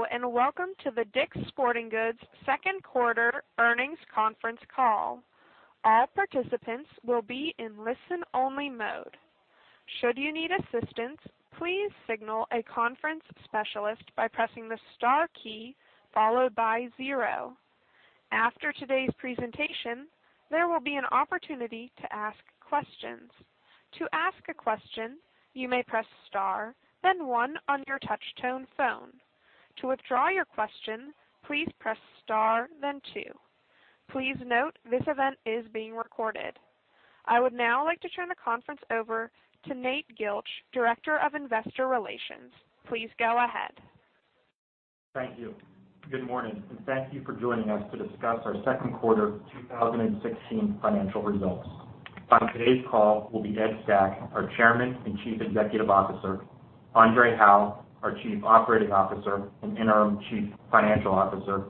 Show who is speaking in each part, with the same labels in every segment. Speaker 1: Hello, and welcome to the DICK'S Sporting Goods second quarter earnings conference call. All participants will be in listen-only mode. Should you need assistance, please signal a conference specialist by pressing the star key followed by zero. After today's presentation, there will be an opportunity to ask questions. To ask a question, you may press star, then one on your touch tone phone. To withdraw your question, please press star, then two. Please note this event is being recorded. I would now like to turn the conference over to Nate Gilch, Director of Investor Relations. Please go ahead.
Speaker 2: Thank you. Good morning, and thank you for joining us to discuss our second quarter 2016 financial results. On today's call will be Ed Stack, our Chairman and Chief Executive Officer, André Hawaux, our Chief Operating Officer and Interim Chief Financial Officer,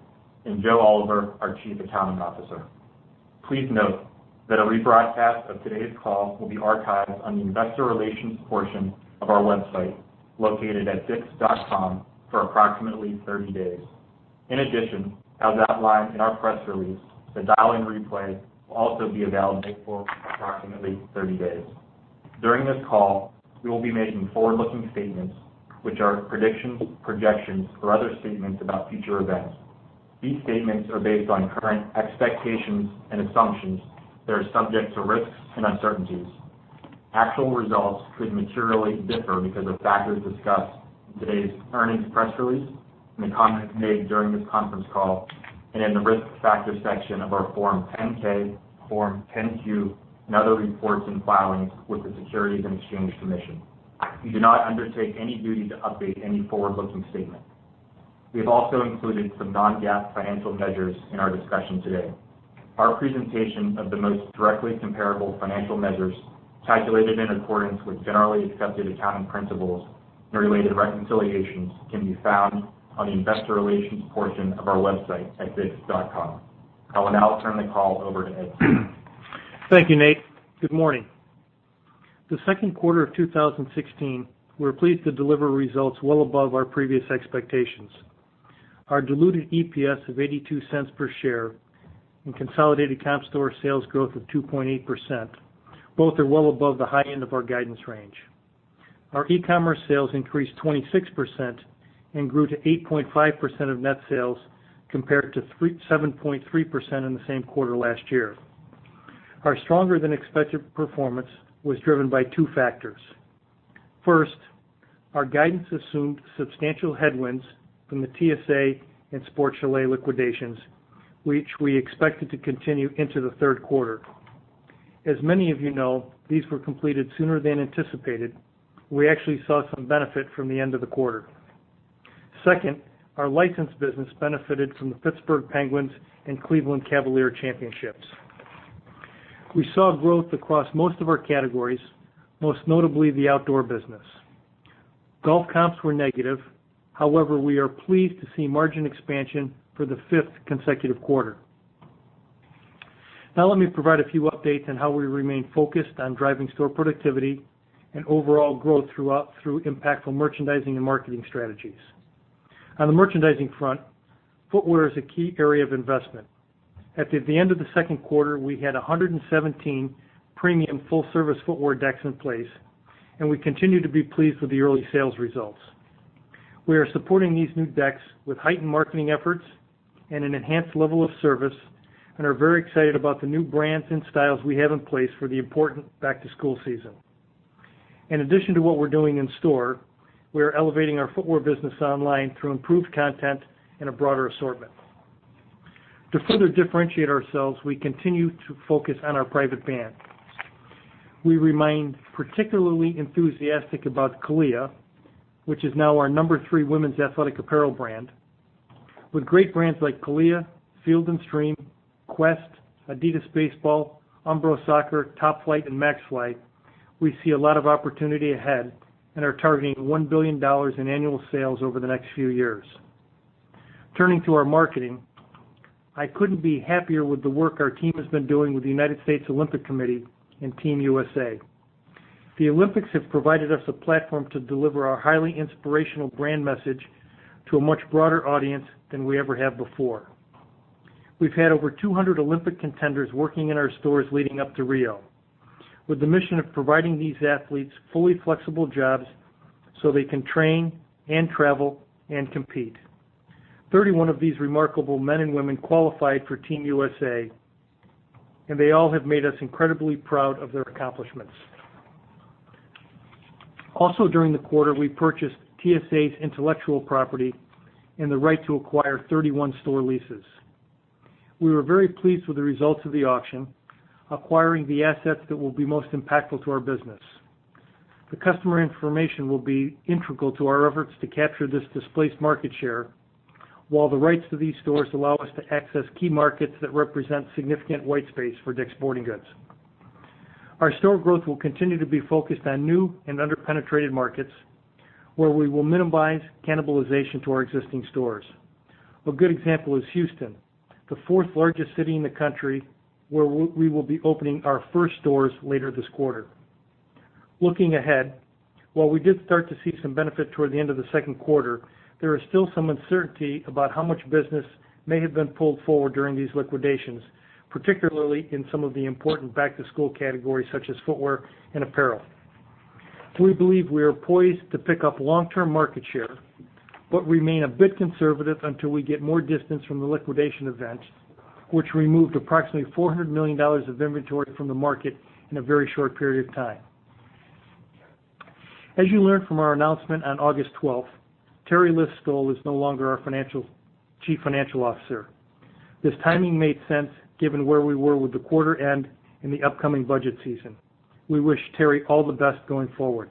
Speaker 2: and Joe Oliver, our Chief Accounting Officer. Please note that a rebroadcast of today's call will be archived on the investor relations portion of our website, located at dicks.com, for approximately 30 days. In addition, as outlined in our press release, the dial-in replay will also be available for approximately 30 days. During this call, we will be making forward-looking statements, which are predictions, projections, or other statements about future events. These statements are based on current expectations and assumptions that are subject to risks and uncertainties. Actual results could materially differ because of factors discussed in today's earnings press release, in the comments made during this conference call, and in the risk factor section of our Form 10-K, Form 10-Q, and other reports and filings with the Securities and Exchange Commission. We do not undertake any duty to update any forward-looking statement. We have also included some non-GAAP financial measures in our discussion today. Our presentation of the most directly comparable financial measures, calculated in accordance with generally accepted accounting principles and related reconciliations, can be found on the investor relations portion of our website at dicks.com. I will now turn the call over to Ed.
Speaker 3: Thank you, Nate. Good morning. In the second quarter of 2016, we're pleased to deliver results well above our previous expectations. Our diluted EPS of $0.82 per share and consolidated comp store sales growth of 2.8%, both are well above the high end of our guidance range. Our e-commerce sales increased 26% and grew to 8.5% of net sales, compared to 7.3% in the same quarter last year. Our stronger than expected performance was driven by two factors. First, our guidance assumed substantial headwinds from the TSA and Sport Chalet liquidations, which we expected to continue into the third quarter. As many of you know, these were completed sooner than anticipated. We actually saw some benefit from the end of the quarter. Second, our licensed business benefited from the Pittsburgh Penguins and Cleveland Cavaliers championships. We saw growth across most of our categories, most notably the outdoor business. Golf comps were negative. However, we are pleased to see margin expansion for the fifth consecutive quarter. Let me provide a few updates on how we remain focused on driving store productivity and overall growth through impactful merchandising and marketing strategies. On the merchandising front, footwear is a key area of investment. At the end of the second quarter, we had 117 premium full-service footwear decks in place, and we continue to be pleased with the early sales results. We are supporting these new decks with heightened marketing efforts and an enhanced level of service and are very excited about the new brands and styles we have in place for the important back-to-school season. In addition to what we're doing in store, we are elevating our footwear business online through improved content and a broader assortment. To further differentiate ourselves, we continue to focus on our private brand. We remain particularly enthusiastic about CALIA, which is now our number 3 women's athletic apparel brand. With great brands like CALIA, Field & Stream, Quest, adidas Baseball, Umbro Soccer, Top Flite, and Maxfli, we see a lot of opportunity ahead and are targeting $1 billion in annual sales over the next few years. Turning to our marketing, I couldn't be happier with the work our team has been doing with the United States Olympic Committee and Team USA. The Olympics have provided us a platform to deliver our highly inspirational brand message to a much broader audience than we ever have before. We've had over 200 Olympic contenders working in our stores leading up to Rio, with the mission of providing these athletes fully flexible jobs so they can train and travel and compete. 31 of these remarkable men and women qualified for Team USA. They all have made us incredibly proud of their accomplishments. Also during the quarter, we purchased TSA's intellectual property and the right to acquire 31 store leases. We were very pleased with the results of the auction, acquiring the assets that will be most impactful to our business. The customer information will be integral to our efforts to capture this displaced market share, while the rights to these stores allow us to access key markets that represent significant white space for DICK'S Sporting Goods. Our store growth will continue to be focused on new and under-penetrated markets, where we will minimize cannibalization to our existing stores. A good example is Houston, the fourth largest city in the country, where we will be opening our first stores later this quarter. Looking ahead, while we did start to see some benefit toward the end of the second quarter, there is still some uncertainty about how much business may have been pulled forward during these liquidations, particularly in some of the important back-to-school categories such as footwear and apparel. We believe we are poised to pick up long-term market share. We remain a bit conservative until we get more distance from the liquidation events, which removed approximately $400 million of inventory from the market in a very short period of time. As you learned from our announcement on August 12th, Teri List-Stoll is no longer our Chief Financial Officer. This timing made sense given where we were with the quarter end and the upcoming budget season. We wish Teri all the best going forward.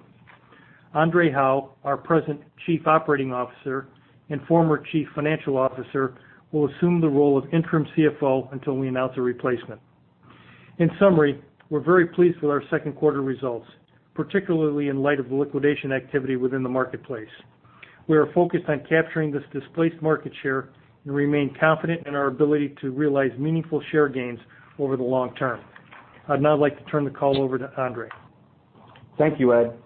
Speaker 3: André Hawaux, our present Chief Operating Officer and former Chief Financial Officer, will assume the role of interim CFO until we announce a replacement. In summary, we are very pleased with our second quarter results, particularly in light of the liquidation activity within the marketplace. We are focused on capturing this displaced market share and remain confident in our ability to realize meaningful share gains over the long term. I would now like to turn the call over to André.
Speaker 4: Thank you, Ed.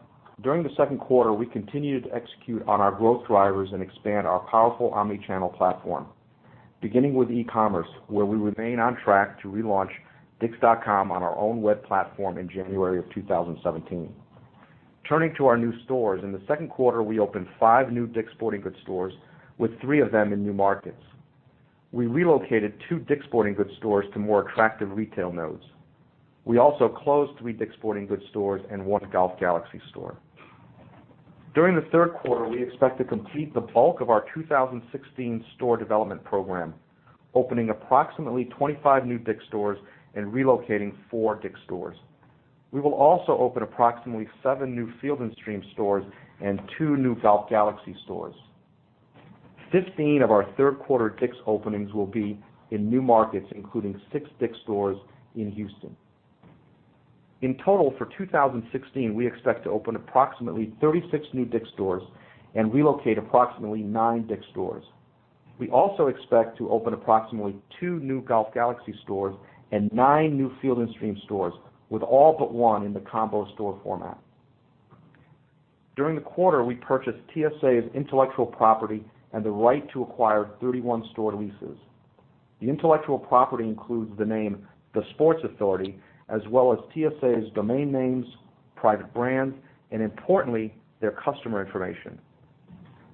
Speaker 4: During the second quarter, we continued to execute on our growth drivers and expand our powerful omni-channel platform. Beginning with e-commerce, where we remain on track to relaunch dicks.com on our own web platform in January of 2017. Turning to our new stores, in the second quarter, we opened five new DICK'S Sporting Goods stores, with three of them in new markets. We relocated two DICK'S Sporting Goods stores to more attractive retail nodes. We also closed three DICK'S Sporting Goods stores and one Golf Galaxy store. During the third quarter, we expect to complete the bulk of our 2016 store development program, opening approximately 25 new DICK'S stores and relocating four DICK'S stores. We will also open approximately seven new Field & Stream stores and two new Golf Galaxy stores. 15 of our third quarter DICK'S openings will be in new markets, including six DICK'S stores in Houston. In total, for 2016, we expect to open approximately 36 new DICK'S stores and relocate approximately nine DICK'S stores. We also expect to open approximately two new Golf Galaxy stores and nine new Field & Stream stores, with all but one in the combo store format. During the quarter, we purchased TSA's intellectual property and the right to acquire 31 store leases. The intellectual property includes the name The Sports Authority, as well as TSA's domain names, private brands, and importantly, their customer information.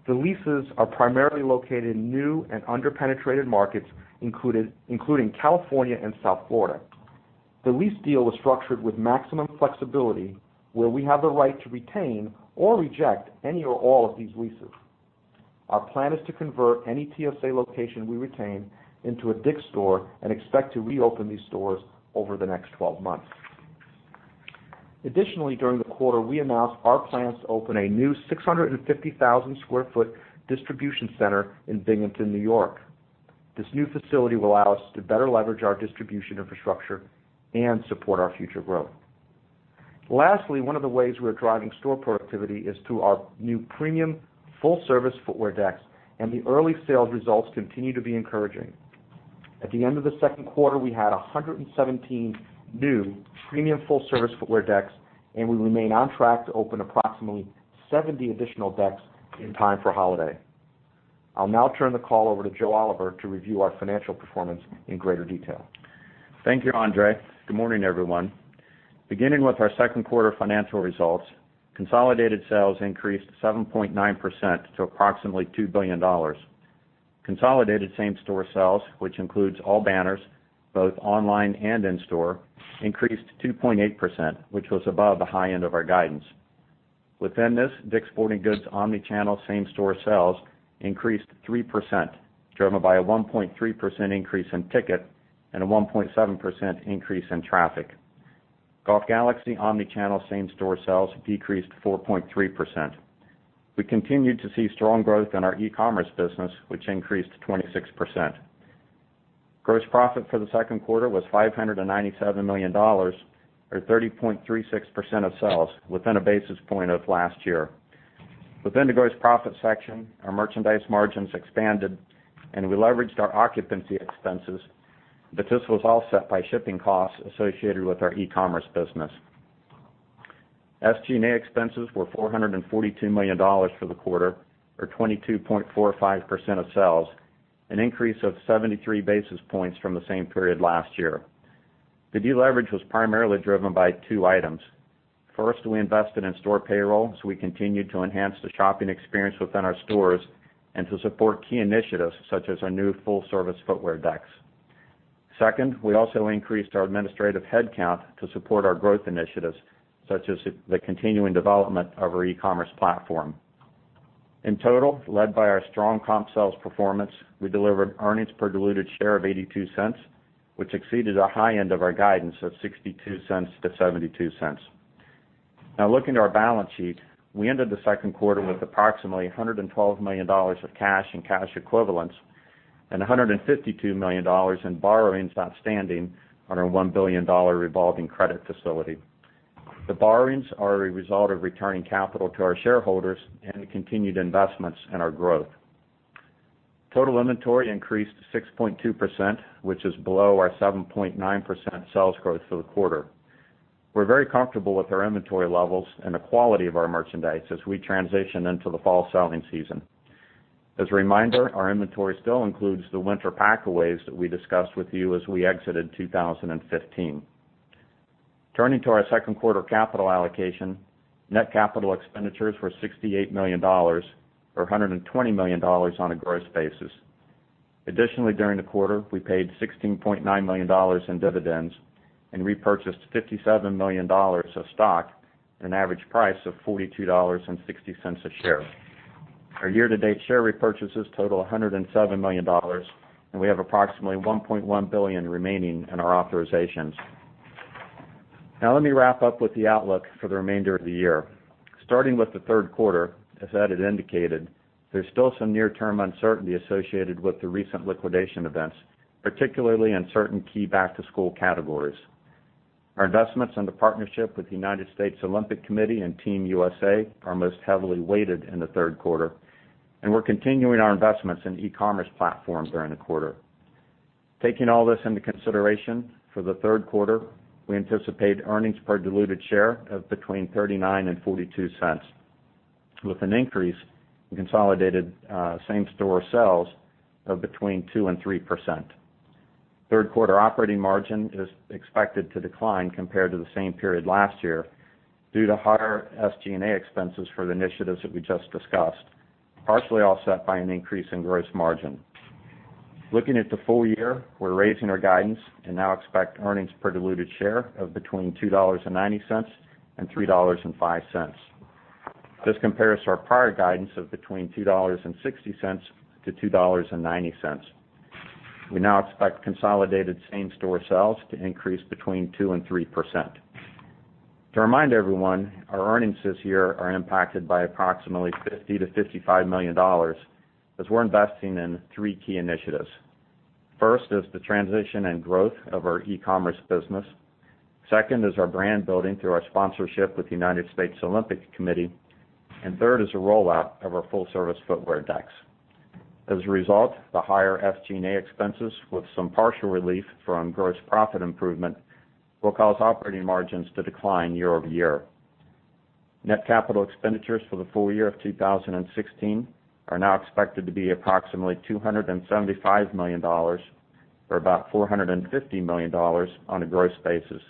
Speaker 4: The leases are primarily located in new and under-penetrated markets, including California and South Florida. The lease deal was structured with maximum flexibility, where we have the right to retain or reject any or all of these leases. Our plan is to convert any TSA location we retain into a DICK'S store and expect to reopen these stores over the next 12 months. Additionally, during the quarter, we announced our plans to open a new 650,000 square foot distribution center in Binghamton, New York. This new facility will allow us to better leverage our distribution infrastructure and support our future growth. Lastly, one of the ways we are driving store productivity is through our new premium full-service footwear decks, and the early sales results continue to be encouraging. At the end of the second quarter, we had 117 new premium full-service footwear decks, and we remain on track to open approximately 70 additional decks in time for holiday. I will now turn the call over to Joe Oliver to review our financial performance in greater detail.
Speaker 5: Thank you, André. Good morning, everyone. Beginning with our second quarter financial results, consolidated sales increased 7.9% to approximately $2 billion. Consolidated same-store sales, which includes all banners, both online and in store, increased 2.8%, which was above the high end of our guidance. Within this, DICK'S Sporting Goods omni-channel same-store sales increased 3%, driven by a 1.3% increase in ticket and a 1.7% increase in traffic. Golf Galaxy omni-channel same-store sales decreased 4.3%. We continued to see strong growth in our e-commerce business, which increased 26%. Gross profit for the second quarter was $597 million, or 30.36% of sales, within a basis point of last year. Within the gross profit section, our merchandise margins expanded, and we leveraged our occupancy expenses, but this was offset by shipping costs associated with our e-commerce business. SG&A expenses were $442 million for the quarter, or 22.45% of sales, an increase of 73 basis points from the same period last year. The deleverage was primarily driven by two items. First, we invested in store payroll, so we continued to enhance the shopping experience within our stores and to support key initiatives such as our new full-service footwear decks. Second, we also increased our administrative headcount to support our growth initiatives, such as the continuing development of our e-commerce platform. In total, led by our strong comp sales performance, we delivered earnings per diluted share of $0.82, which exceeded our high end of our guidance of $0.62-$0.72. Looking at our balance sheet, we ended the second quarter with approximately $112 million of cash and cash equivalents and $152 million in borrowings outstanding on our $1 billion revolving credit facility. The borrowings are a result of returning capital to our shareholders and the continued investments in our growth. Total inventory increased 6.2%, which is below our 7.9% sales growth for the quarter. We're very comfortable with our inventory levels and the quality of our merchandise as we transition into the fall selling season. As a reminder, our inventory still includes the winter pack-aways that we discussed with you as we exited 2015. Turning to our second quarter capital allocation, net capital expenditures were $68 million, or $120 million on a gross basis. Additionally, during the quarter, we paid $16.9 million in dividends and repurchased $57 million of stock at an average price of $42.60 a share. Our year-to-date share repurchases total $107 million, and we have approximately $1.1 billion remaining in our authorizations. Let me wrap up with the outlook for the remainder of the year. Starting with the third quarter, as Ed had indicated, there's still some near-term uncertainty associated with the recent liquidation events, particularly in certain key back-to-school categories. Our investments in the partnership with the United States Olympic Committee and Team USA are most heavily weighted in the third quarter, and we're continuing our investments in e-commerce platforms during the quarter. Taking all this into consideration, for the third quarter, we anticipate earnings per diluted share of between $0.39 and $0.42, with an increase in consolidated same-store sales of between 2% and 3%. Third quarter operating margin is expected to decline compared to the same period last year due to higher SG&A expenses for the initiatives that we just discussed, partially offset by an increase in gross margin. Looking at the full year, we're raising our guidance and now expect earnings per diluted share of between $2.90 and $3.05. This compares to our prior guidance of between $2.60-$2.90. We now expect consolidated same-store sales to increase between 2% and 3%. To remind everyone, our earnings this year are impacted by approximately $50 million-$55 million as we're investing in three key initiatives. First is the transition and growth of our e-commerce business. Second is our brand building through our sponsorship with the United States Olympic Committee. Third is the rollout of our full-service footwear decks. As a result, the higher SG&A expenses with some partial relief from gross profit improvement will cause operating margins to decline year-over-year. Net capital expenditures for the full year of 2016 are now expected to be approximately $275 million, or about $450 million on a gross basis.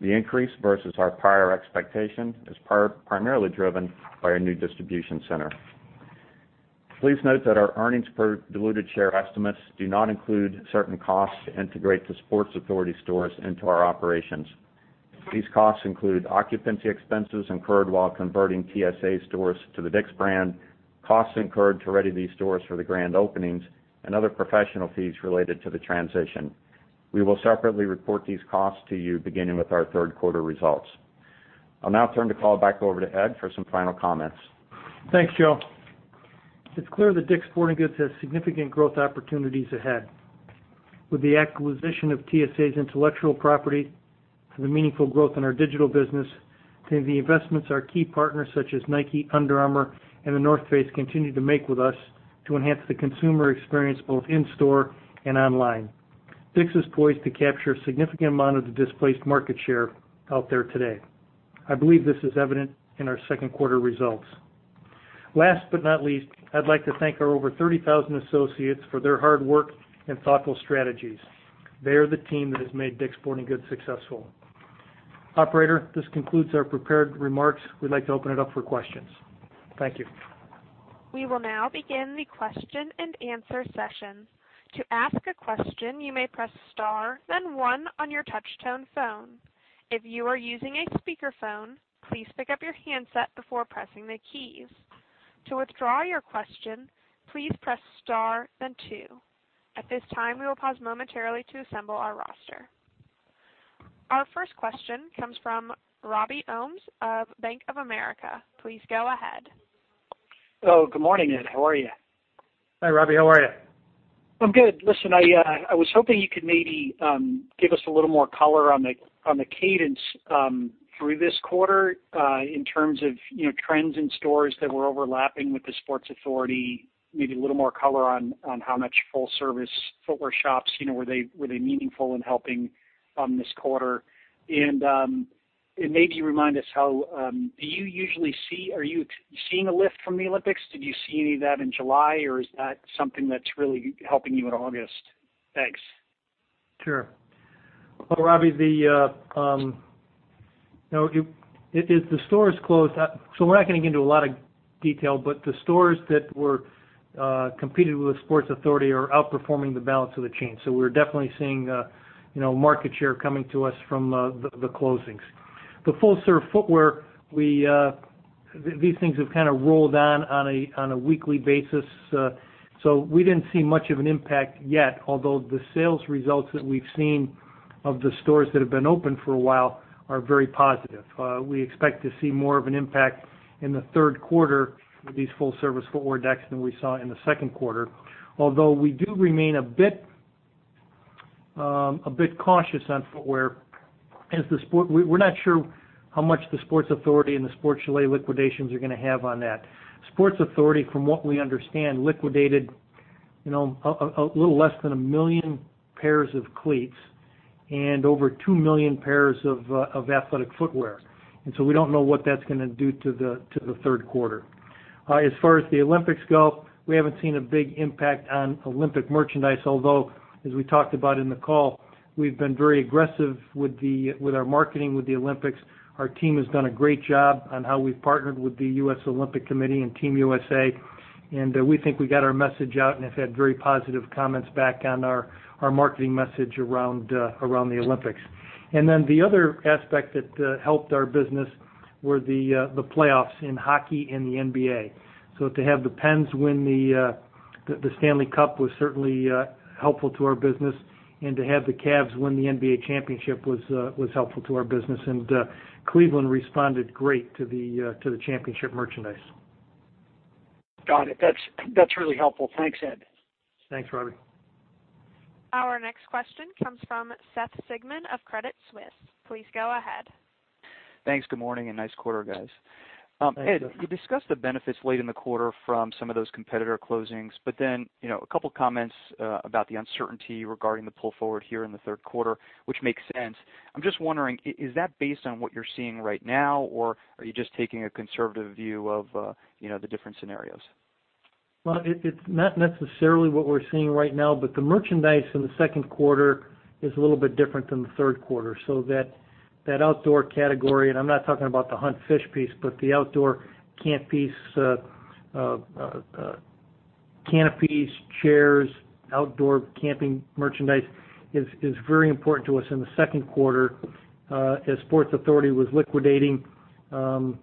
Speaker 5: The increase versus our prior expectation is primarily driven by our new distribution center. Please note that our earnings per diluted share estimates do not include certain costs to integrate The Sports Authority stores into our operations. These costs include occupancy expenses incurred while converting TSA stores to the DICK'S brand, costs incurred to ready these stores for the grand openings, and other professional fees related to the transition. We will separately report these costs to you beginning with our third quarter results. I'll now turn the call back over to Ed for some final comments.
Speaker 3: Thanks, Joe. It's clear that DICK'S Sporting Goods has significant growth opportunities ahead. With the acquisition of TSA's intellectual property and the meaningful growth in our digital business and the investments our key partners such as Nike, Under Armour, and The North Face continue to make with us to enhance the consumer experience both in-store and online, DICK'S is poised to capture a significant amount of the displaced market share out there today. I believe this is evident in our second quarter results. Last but not least, I'd like to thank our over 30,000 associates for their hard work and thoughtful strategies. They are the team that has made DICK'S Sporting Goods successful. Operator, this concludes our prepared remarks. We'd like to open it up for questions. Thank you.
Speaker 1: We will now begin the question and answer session. To ask a question, you may press star, then one on your touchtone phone. If you are using a speakerphone, please pick up your handset before pressing the keys. To withdraw your question, please press star, then two. At this time, we will pause momentarily to assemble our roster. Our first question comes from Robbie Ohmes of Bank of America. Please go ahead.
Speaker 6: Good morning, Ed. How are you?
Speaker 3: Hi, Robbie. How are you?
Speaker 6: I'm good. Listen, I was hoping you could maybe give us a little more color on the cadence through this quarter in terms of trends in stores that were overlapping with The Sports Authority, maybe a little more color on how much full-service footwear shops, were they meaningful in helping this quarter? Maybe remind us, are you seeing a lift from the Olympics? Did you see any of that in July, or is that something that's really helping you in August? Thanks.
Speaker 3: Sure. Well, Robbie, we're not going to get into a lot of detail, the stores that were competing with The Sports Authority are outperforming the balance of the chain. We're definitely seeing market share coming to us from the closings. The full-serve footwear, these things have kind of rolled on a weekly basis. We didn't see much of an impact yet, although the sales results that we've seen of the stores that have been open for a while are very positive. We expect to see more of an impact in the third quarter with these full-service footwear decks than we saw in the second quarter, although we do remain a bit cautious on footwear. We're not sure how much The Sports Authority and the Sport Chalet liquidations are going to have on that. Sports Authority, from what we understand, liquidated a little less than 1 million pairs of cleats and over 2 million pairs of athletic footwear. We don't know what that's going to do to the third quarter. As far as the Olympics go, we haven't seen a big impact on Olympic merchandise. Although, as we talked about in the call, we've been very aggressive with our marketing with the Olympics. Our team has done a great job on how we've partnered with the U.S. Olympic Committee and Team USA. We think we got our message out and have had very positive comments back on our marketing message around the Olympics. Then the other aspect that helped our business were the playoffs in hockey and the NBA. To have the Pens win the Stanley Cup was certainly helpful to our business, and to have the Cavs win the NBA championship was helpful to our business. Cleveland responded great to the championship merchandise.
Speaker 6: Got it. That's really helpful. Thanks, Ed.
Speaker 3: Thanks, Robbie.
Speaker 1: Our next question comes from Seth Sigman of Credit Suisse. Please go ahead.
Speaker 7: Thanks. Good morning, nice quarter, guys.
Speaker 3: Thanks, Seth.
Speaker 7: Ed, you discussed the benefits late in the quarter from some of those competitor closings, a couple of comments about the uncertainty regarding the pull forward here in the third quarter, which makes sense. I'm just wondering, is that based on what you're seeing right now, or are you just taking a conservative view of the different scenarios?
Speaker 3: It's not necessarily what we're seeing right now, but the merchandise in the second quarter is a little bit different than the third quarter. That outdoor category, and I'm not talking about the hunt fish piece, but the outdoor camp piece, canopies, chairs, outdoor camping merchandise, is very important to us in the second quarter. As The Sports Authority was liquidating,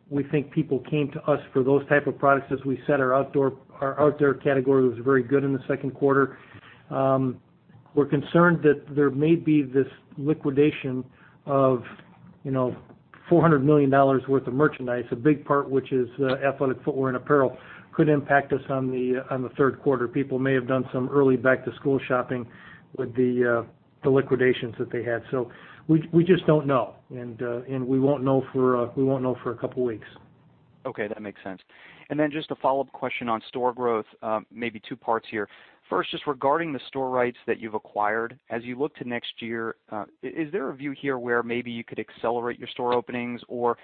Speaker 3: we think people came to us for those type of products. As we said, our outdoor category was very good in the second quarter. We're concerned that there may be this liquidation of $400 million worth of merchandise, a big part which is athletic footwear and apparel, could impact us on the third quarter. People may have done some early back-to-school shopping with the liquidations that they had. We just don't know, and we won't know for a couple of weeks.
Speaker 7: Okay. That makes sense. Just a follow-up question on store growth, maybe two parts here. First, just regarding the store rights that you've acquired. As you look to next year, is there a view here where maybe you could accelerate your store openings, or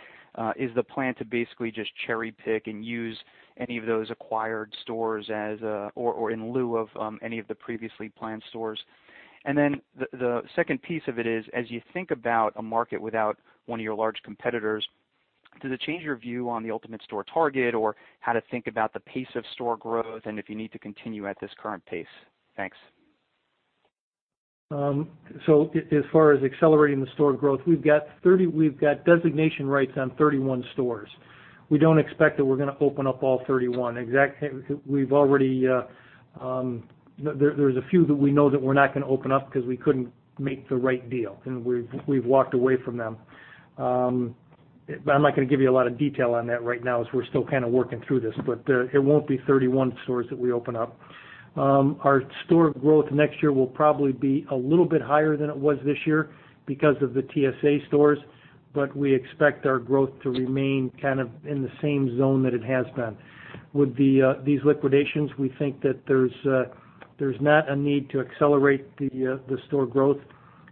Speaker 7: is the plan to basically just cherry pick and use any of those acquired stores as or in lieu of any of the previously planned stores? The second piece of it is, as you think about a market without one of your large competitors, does it change your view on the ultimate store target or how to think about the pace of store growth and if you need to continue at this current pace? Thanks.
Speaker 3: As far as accelerating the store growth, we've got designation rights on 31 stores. We don't expect that we're going to open up all 31. There's a few that we know that we're not going to open up because we couldn't make the right deal, and we've walked away from them. I'm not going to give you a lot of detail on that right now as we're still kind of working through this. It won't be 31 stores that we open up. Our store growth next year will probably be a little bit higher than it was this year because of the TSA stores, but we expect our growth to remain in the same zone that it has been. With these liquidations, we think that there's not a need to accelerate the store growth.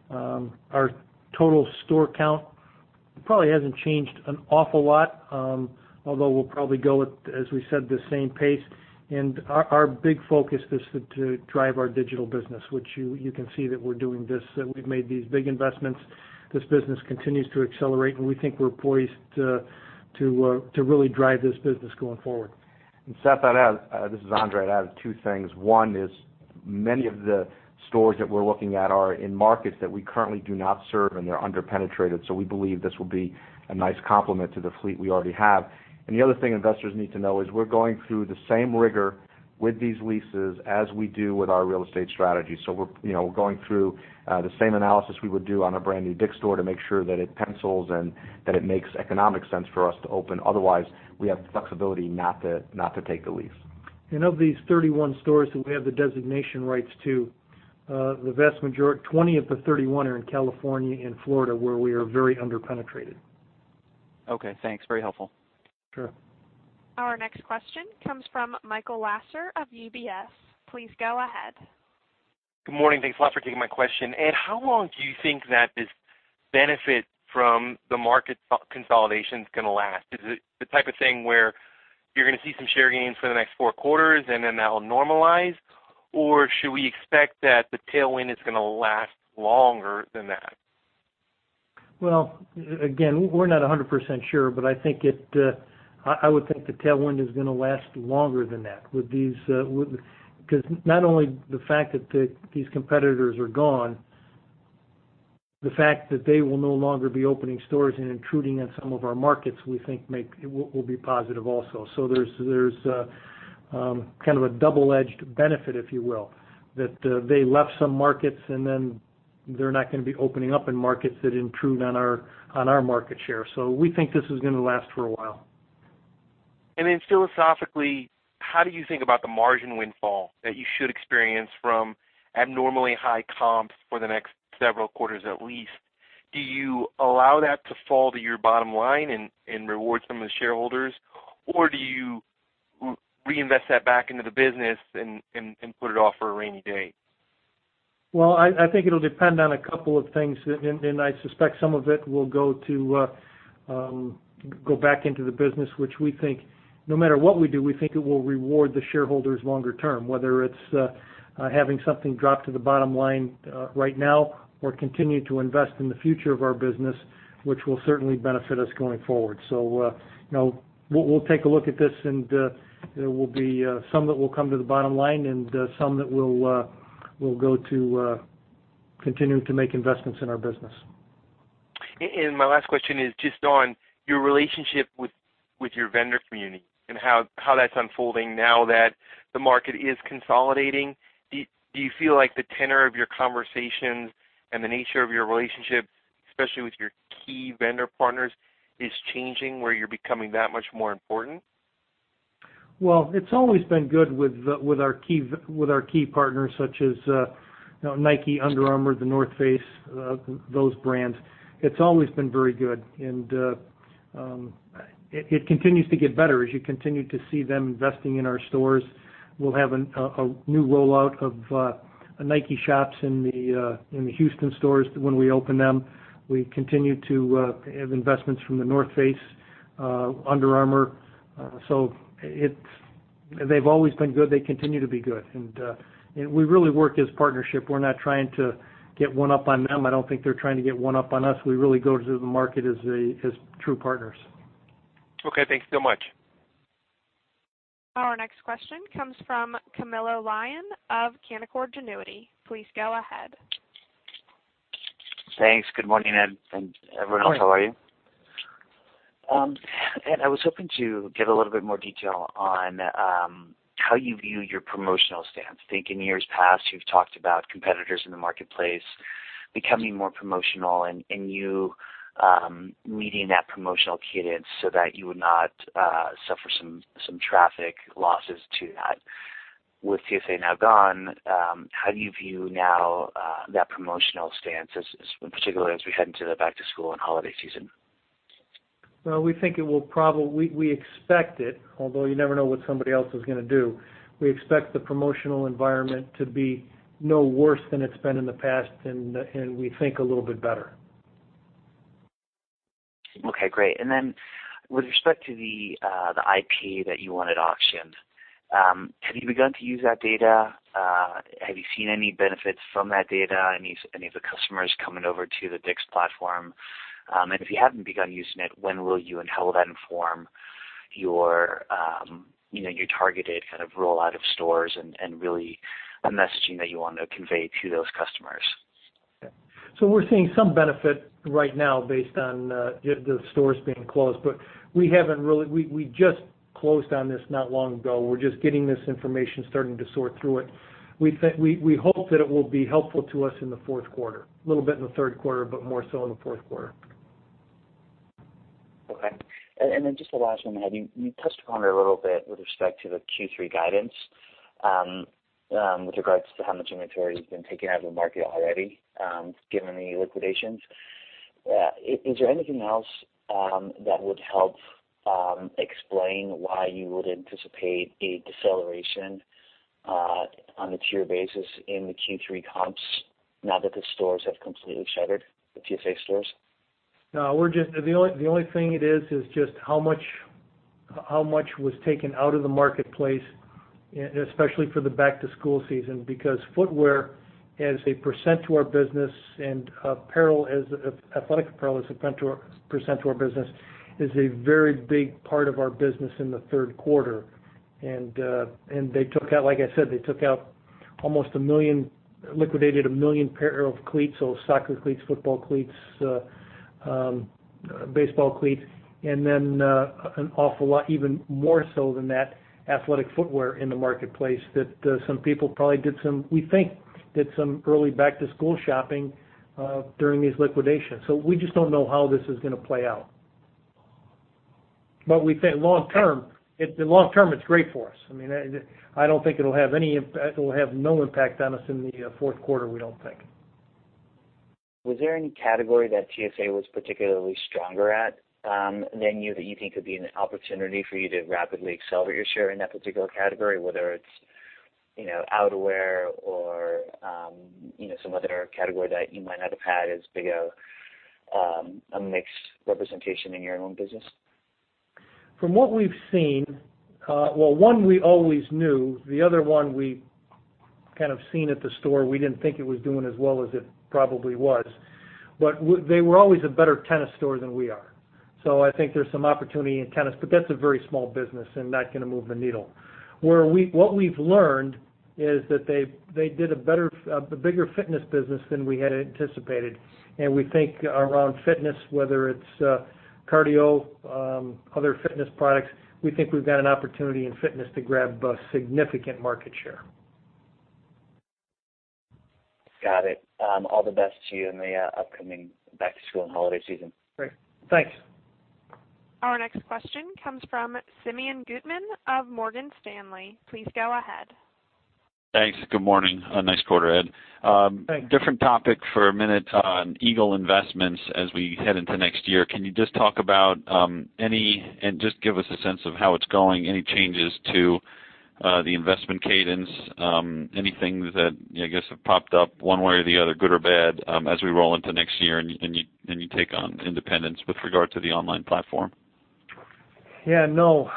Speaker 3: Our total store count probably hasn't changed an awful lot, although we'll probably go at, as we said, the same pace. Our big focus is to drive our digital business, which you can see that we're doing this. We've made these big investments. This business continues to accelerate, and we think we're poised to really drive this business going forward.
Speaker 4: Seth, this is André. I'd add two things. One is many of the stores that we're looking at are in markets that we currently do not serve, and they're under-penetrated. We believe this will be a nice complement to the fleet we already have. The other thing investors need to know is we're going through the same rigor with these leases as we do with our real estate strategy. We're going through the same analysis we would do on a brand new DICK'S store to make sure that it pencils and that it makes economic sense for us to open. Otherwise, we have the flexibility not to take the lease.
Speaker 3: Of these 31 stores that we have the designation rights to, 20 of the 31 are in California and Florida, where we are very under-penetrated.
Speaker 7: Okay, thanks. Very helpful.
Speaker 3: Sure.
Speaker 1: Our next question comes from Michael Lasser of UBS. Please go ahead.
Speaker 8: Good morning. Thanks a lot for taking my question. Ed, how long do you think that this benefit from the market consolidation is going to last? Is it the type of thing where you're going to see some share gains for the next four quarters and then that will normalize, or should we expect that the tailwind is going to last longer than that?
Speaker 3: Again, we're not 100% sure, I would think the tailwind is going to last longer than that. Not only the fact that these competitors are gone, the fact that they will no longer be opening stores and intruding on some of our markets, we think will be positive also. There's kind of a double-edged benefit, if you will, that they left some markets they're not going to be opening up in markets that intrude on our market share. We think this is going to last for a while.
Speaker 8: Philosophically, how do you think about the margin windfall that you should experience from abnormally high comps for the next several quarters, at least? Do you allow that to fall to your bottom line and reward some of the shareholders, or do you reinvest that back into the business and put it off for a rainy day?
Speaker 3: I think it'll depend on a couple of things, I suspect some of it will go back into the business, which we think no matter what we do, we think it will reward the shareholders longer term, whether it's having something drop to the bottom line right now or continue to invest in the future of our business, which will certainly benefit us going forward. We'll take a look at this there will be some that will come to the bottom line and some that will go to continuing to make investments in our business.
Speaker 8: My last question is just on your relationship with your vendor community and how that's unfolding now that the market is consolidating. Do you feel like the tenor of your conversations and the nature of your relationship, especially with your key vendor partners, is changing where you're becoming that much more important?
Speaker 3: Well, it's always been good with our key partners such as Nike, Under Armour, The North Face, those brands. It's always been very good. It continues to get better as you continue to see them investing in our stores. We'll have a new rollout of Nike shops in the Houston stores when we open them. We continue to have investments from The North Face, Under Armour. They've always been good. They continue to be good. We really work as partnership. We're not trying to get one up on them. I don't think they're trying to get one up on us. We really go to the market as true partners.
Speaker 8: Okay. Thanks so much.
Speaker 1: Our next question comes from Camilo Lyon of Canaccord Genuity. Please go ahead.
Speaker 9: Thanks. Good morning, Ed, and everyone else.
Speaker 3: Good morning.
Speaker 9: How are you? Ed, I was hoping to get a little bit more detail on how you view your promotional stance. I think in years past, you've talked about competitors in the marketplace becoming more promotional and you leading that promotional cadence so that you would not suffer some traffic losses to that. With TSA now gone, how do you view now that promotional stance, particularly as we head into the back-to-school and holiday season?
Speaker 3: Well, we expect it, although you never know what somebody else is going to do. We expect the promotional environment to be no worse than it's been in the past, and we think a little bit better.
Speaker 9: Okay, great. With respect to the IP that you wanted auctioned, have you begun to use that data? Have you seen any benefits from that data? Any of the customers coming over to the DICK'S platform? If you haven't begun using it, when will you, and how will that inform your targeted kind of rollout of stores and really a messaging that you want to convey to those customers?
Speaker 3: We're seeing some benefit right now based on the stores being closed, we just closed on this not long ago. We're just getting this information, starting to sort through it. We hope that it will be helpful to us in the fourth quarter, a little bit in the third quarter, more so in the fourth quarter.
Speaker 9: Okay. Just the last one, Ed. You touched upon it a little bit with respect to the Q3 guidance with regards to how much inventory has been taken out of the market already given any liquidations. Is there anything else that would help explain why you would anticipate a deceleration on a year basis in the Q3 comps now that the stores have completely shuttered, the TSA stores?
Speaker 3: No. The only thing it is, just how much was taken out of the marketplace, especially for the back-to-school season, because footwear as a percent to our business and athletic apparel as a percent to our business is a very big part of our business in the third quarter. Like I said, they took out almost a million, liquidated a million pair of cleats or soccer cleats, football cleats, baseball cleats, and then an awful lot, even more so than that, athletic footwear in the marketplace that some people probably, we think, did some early back-to-school shopping during these liquidations. We just don't know how this is going to play out. We think long term, it's great for us. I mean, I don't think it'll have any impact. It will have no impact on us in the fourth quarter, we don't think.
Speaker 9: Was there any category that TSA was particularly stronger at than you that you think could be an opportunity for you to rapidly accelerate your share in that particular category, whether it's outerwear or some other category that you might not have had as big a mixed representation in your own business?
Speaker 3: From what we've seen, well, one we always knew. The other one we kind of seen at the store, we didn't think it was doing as well as it probably was. They were always a better tennis store than we are. I think there's some opportunity in tennis, but that's a very small business and not going to move the needle. What we've learned is that they did a bigger fitness business than we had anticipated. We think around fitness, whether it's cardio, other fitness products, we think we've got an opportunity in fitness to grab a significant market share.
Speaker 9: Got it. All the best to you in the upcoming back-to-school and holiday season.
Speaker 3: Great. Thanks.
Speaker 1: Our next question comes from Simeon Gutman of Morgan Stanley. Please go ahead.
Speaker 10: Thanks. Good morning. A nice quarter, Ed.
Speaker 3: Thanks.
Speaker 10: Different topic for a minute on e-commerce investments as we head into next year. Can you just talk about any, just give us a sense of how it's going, any changes to the investment cadence? Anything that, I guess, have popped up one way or the other, good or bad, as we roll into next year and you take on independence with regard to the online platform?
Speaker 3: Yeah. No.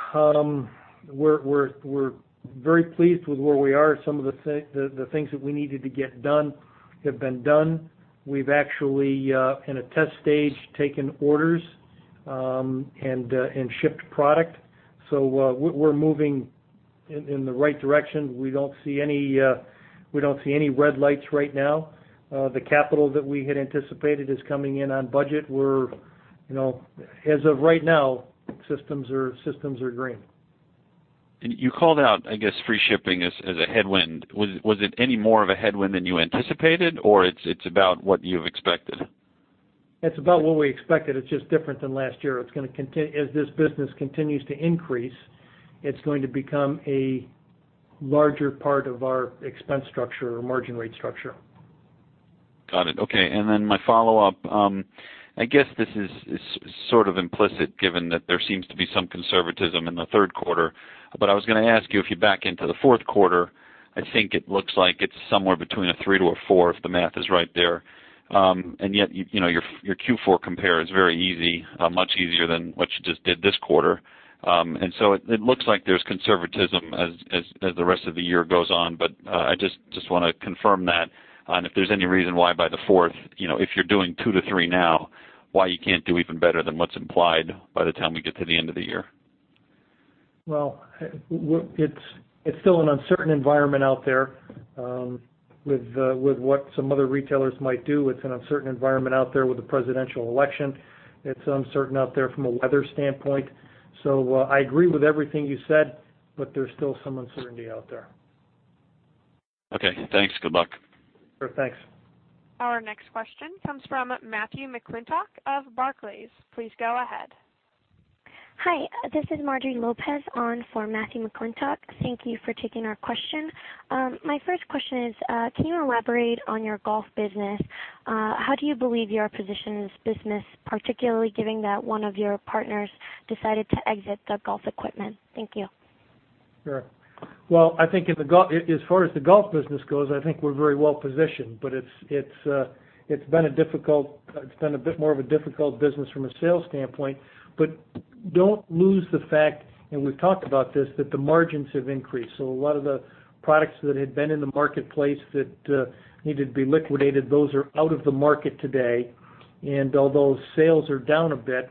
Speaker 3: We're very pleased with where we are. Some of the things that we needed to get done have been done. We've actually, in a test stage, taken orders and shipped product. We're moving in the right direction. We don't see any red lights right now. The capital that we had anticipated is coming in on budget. As of right now, systems are green.
Speaker 10: You called out, I guess, free shipping as a headwind. Was it any more of a headwind than you anticipated, or it's about what you've expected?
Speaker 3: It's about what we expected. It's just different than last year. As this business continues to increase, it's going to become a larger part of our expense structure or margin rate structure.
Speaker 10: Got it. Okay. My follow-up, I guess this is sort of implicit given that there seems to be some conservatism in the third quarter, but I was going to ask you, if you back into the fourth quarter, I think it looks like it's somewhere between a three to a four if the math is right there. Yet, your Q4 compare is very easy, much easier than what you just did this quarter. So it looks like there's conservatism as the rest of the year goes on, but I just want to confirm that. If there's any reason why by the fourth, if you're doing two to three now, why you can't do even better than what's implied by the time we get to the end of the year?
Speaker 3: Well, it's still an uncertain environment out there with what some other retailers might do. It's an uncertain environment out there with the presidential election. It's uncertain out there from a weather standpoint. I agree with everything you said, but there's still some uncertainty out there.
Speaker 10: Okay. Thanks. Good luck.
Speaker 3: Sure. Thanks.
Speaker 1: Our next question comes from Matthew McClintock of Barclays. Please go ahead.
Speaker 11: Hi, this is Marjorie Lopez on for Matthew McClintock. Thank you for taking our question. My first question is, can you elaborate on your golf business? How do you believe you are positioned in this business, particularly given that one of your partners decided to exit the golf equipment? Thank you.
Speaker 3: Sure. I think as far as the golf business goes, I think we're very well positioned, but it's been a bit more of a difficult business from a sales standpoint, but don't lose the fact, and we've talked about this, that the margins have increased. A lot of the products that had been in the marketplace that needed to be liquidated, those are out of the market today. Although sales are down a bit,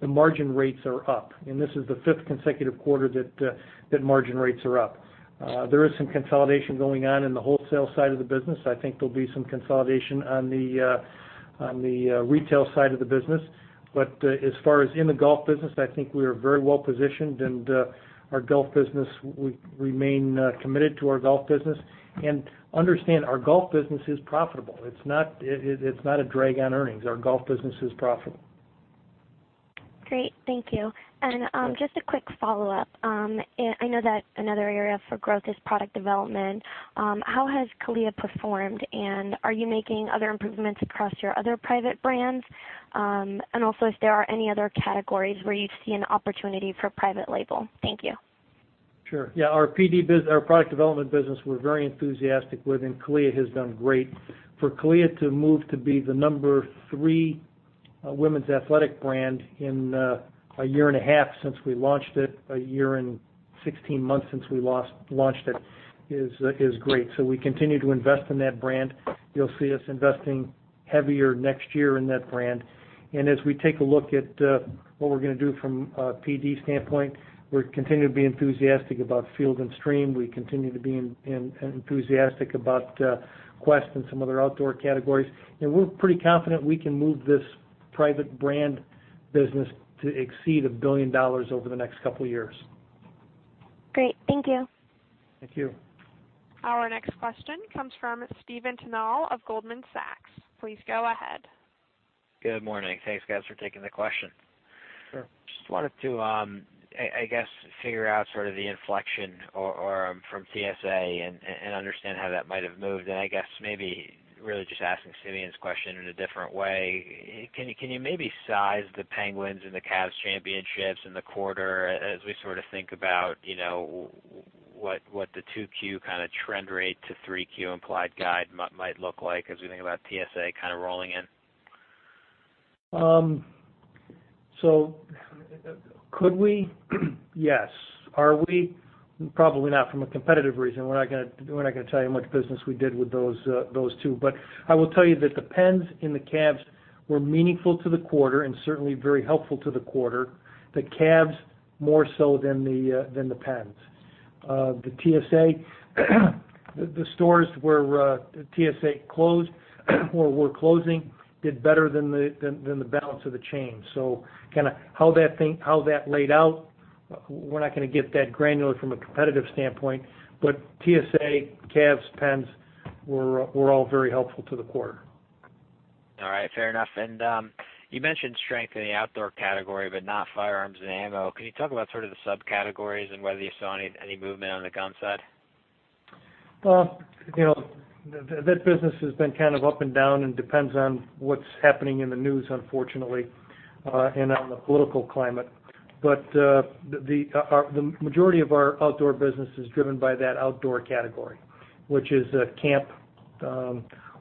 Speaker 3: the margin rates are up, and this is the fifth consecutive quarter that margin rates are up. There is some consolidation going on in the wholesale side of the business. I think there'll be some consolidation on the retail side of the business. As far as in the golf business, I think we are very well positioned, and we remain committed to our golf business. Understand, our golf business is profitable. It's not a drag on earnings. Our golf business is profitable.
Speaker 11: Great. Thank you. Just a quick follow-up. I know that another area for growth is product development. How has CALIA performed, and are you making other improvements across your other private brands? Also, if there are any other categories where you see an opportunity for private label. Thank you.
Speaker 3: Sure. Our product development business, we're very enthusiastic with, CALIA has done great. For CALIA to move to be the number 3 women's athletic brand in a year and a half since we launched it, a year and 16 months since we launched it, is great. We continue to invest in that brand. You'll see us investing heavier next year in that brand. As we take a look at what we're going to do from a PD standpoint, we continue to be enthusiastic about Field & Stream. We continue to be enthusiastic about Quest and some other outdoor categories. We're pretty confident we can move this private brand business to exceed $1 billion over the next couple of years.
Speaker 11: Great. Thank you.
Speaker 3: Thank you.
Speaker 1: Our next question comes from Stephen Tanal of Goldman Sachs. Please go ahead.
Speaker 12: Good morning. Thanks, guys, for taking the question.
Speaker 3: Sure.
Speaker 12: Just wanted to, I guess, figure out sort of the inflection from TSA and understand how that might have moved, and I guess maybe really just asking Simeon's question in a different way. Can you maybe size the Penguins and the Cavs championships in the quarter as we sort of think about what the 2Q kind of trend rate to 3Q implied guide might look like as we think about TSA kind of rolling in?
Speaker 3: Could we? Yes. Are we? Probably not from a competitive reason. We're not going to tell you much business we did with those two. I will tell you that the Pens and the Cavs were meaningful to the quarter and certainly very helpful to the quarter, the Cavs more so than the Pens. The TSA stores where TSA closed or were closing did better than the balance of the chain. Kind of how that laid out We're not going to get that granular from a competitive standpoint, but TSA, Cavs, Pens were all very helpful to the quarter.
Speaker 12: All right. Fair enough. You mentioned strength in the outdoor category, but not firearms and ammo. Can you talk about sort of the subcategories and whether you saw any movement on the gun side?
Speaker 3: Well, that business has been kind of up and down and depends on what's happening in the news, unfortunately, and on the political climate. The majority of our outdoor business is driven by that outdoor category, which is camp,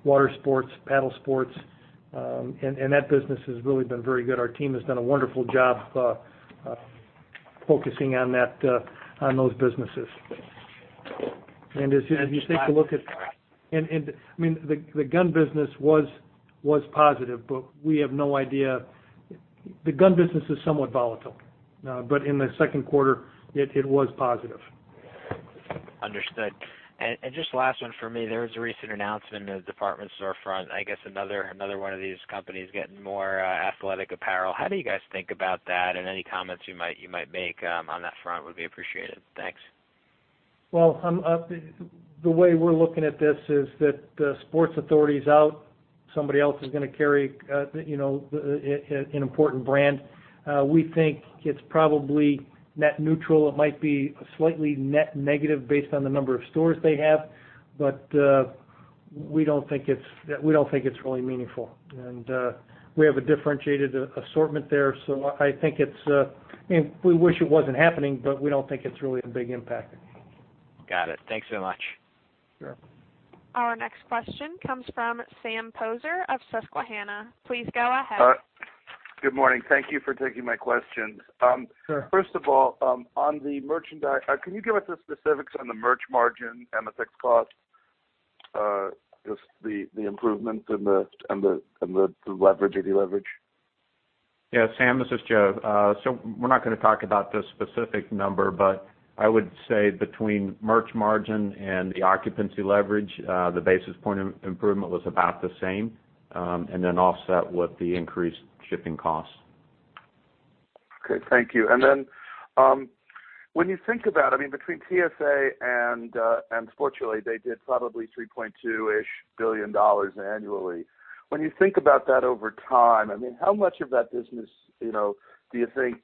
Speaker 3: water sports, paddle sports, and that business has really been very good. Our team has done a wonderful job focusing on those businesses. The gun business was positive, but we have no idea The gun business is somewhat volatile. In the second quarter, it was positive.
Speaker 12: Understood. Just last one from me. There was a recent announcement of Department Store Front, I guess another one of these companies getting more athletic apparel. How do you guys think about that? Any comments you might make on that front would be appreciated. Thanks.
Speaker 3: Well, the way we're looking at this is that The Sports Authority's out. Somebody else is going to carry an important brand. We think it's probably net neutral. It might be slightly negative based on the number of stores they have. We don't think it's really meaningful. We have a differentiated assortment there. We wish it wasn't happening, but we don't think it's really a big impact.
Speaker 12: Got it. Thanks so much.
Speaker 3: Sure.
Speaker 1: Our next question comes from Sam Poser of Susquehanna. Please go ahead.
Speaker 13: Good morning. Thank you for taking my questions.
Speaker 3: Sure.
Speaker 13: First of all, on the merchandise, can you give us the specifics on the merch margin and the fixed cost, just the improvement and the leverage or deleverage?
Speaker 5: Yeah, Sam, this is Joe. We're not going to talk about the specific number, but I would say between merch margin and the occupancy leverage, the basis point improvement was about the same, offset with the increased shipping costs.
Speaker 13: Okay. Thank you. When you think about it, between TSA and Sport Chalet, they did probably $3.2-ish billion annually. When you think about that over time, how much of that business do you think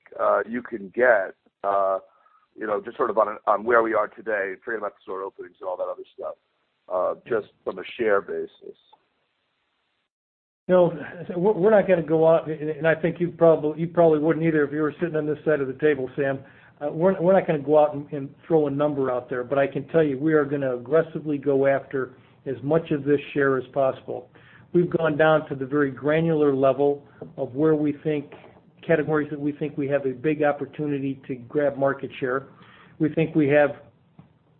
Speaker 13: you can get, just sort of on where we are today, thinking about store openings and all that other stuff, just from a share basis?
Speaker 3: We're not going to go out, and I think you probably wouldn't either if you were sitting on this side of the table, Sam. We're not going to go out and throw a number out there. I can tell you, we are going to aggressively go after as much of this share as possible. We've gone down to the very granular level of where we think categories that we think we have a big opportunity to grab market share. We think we have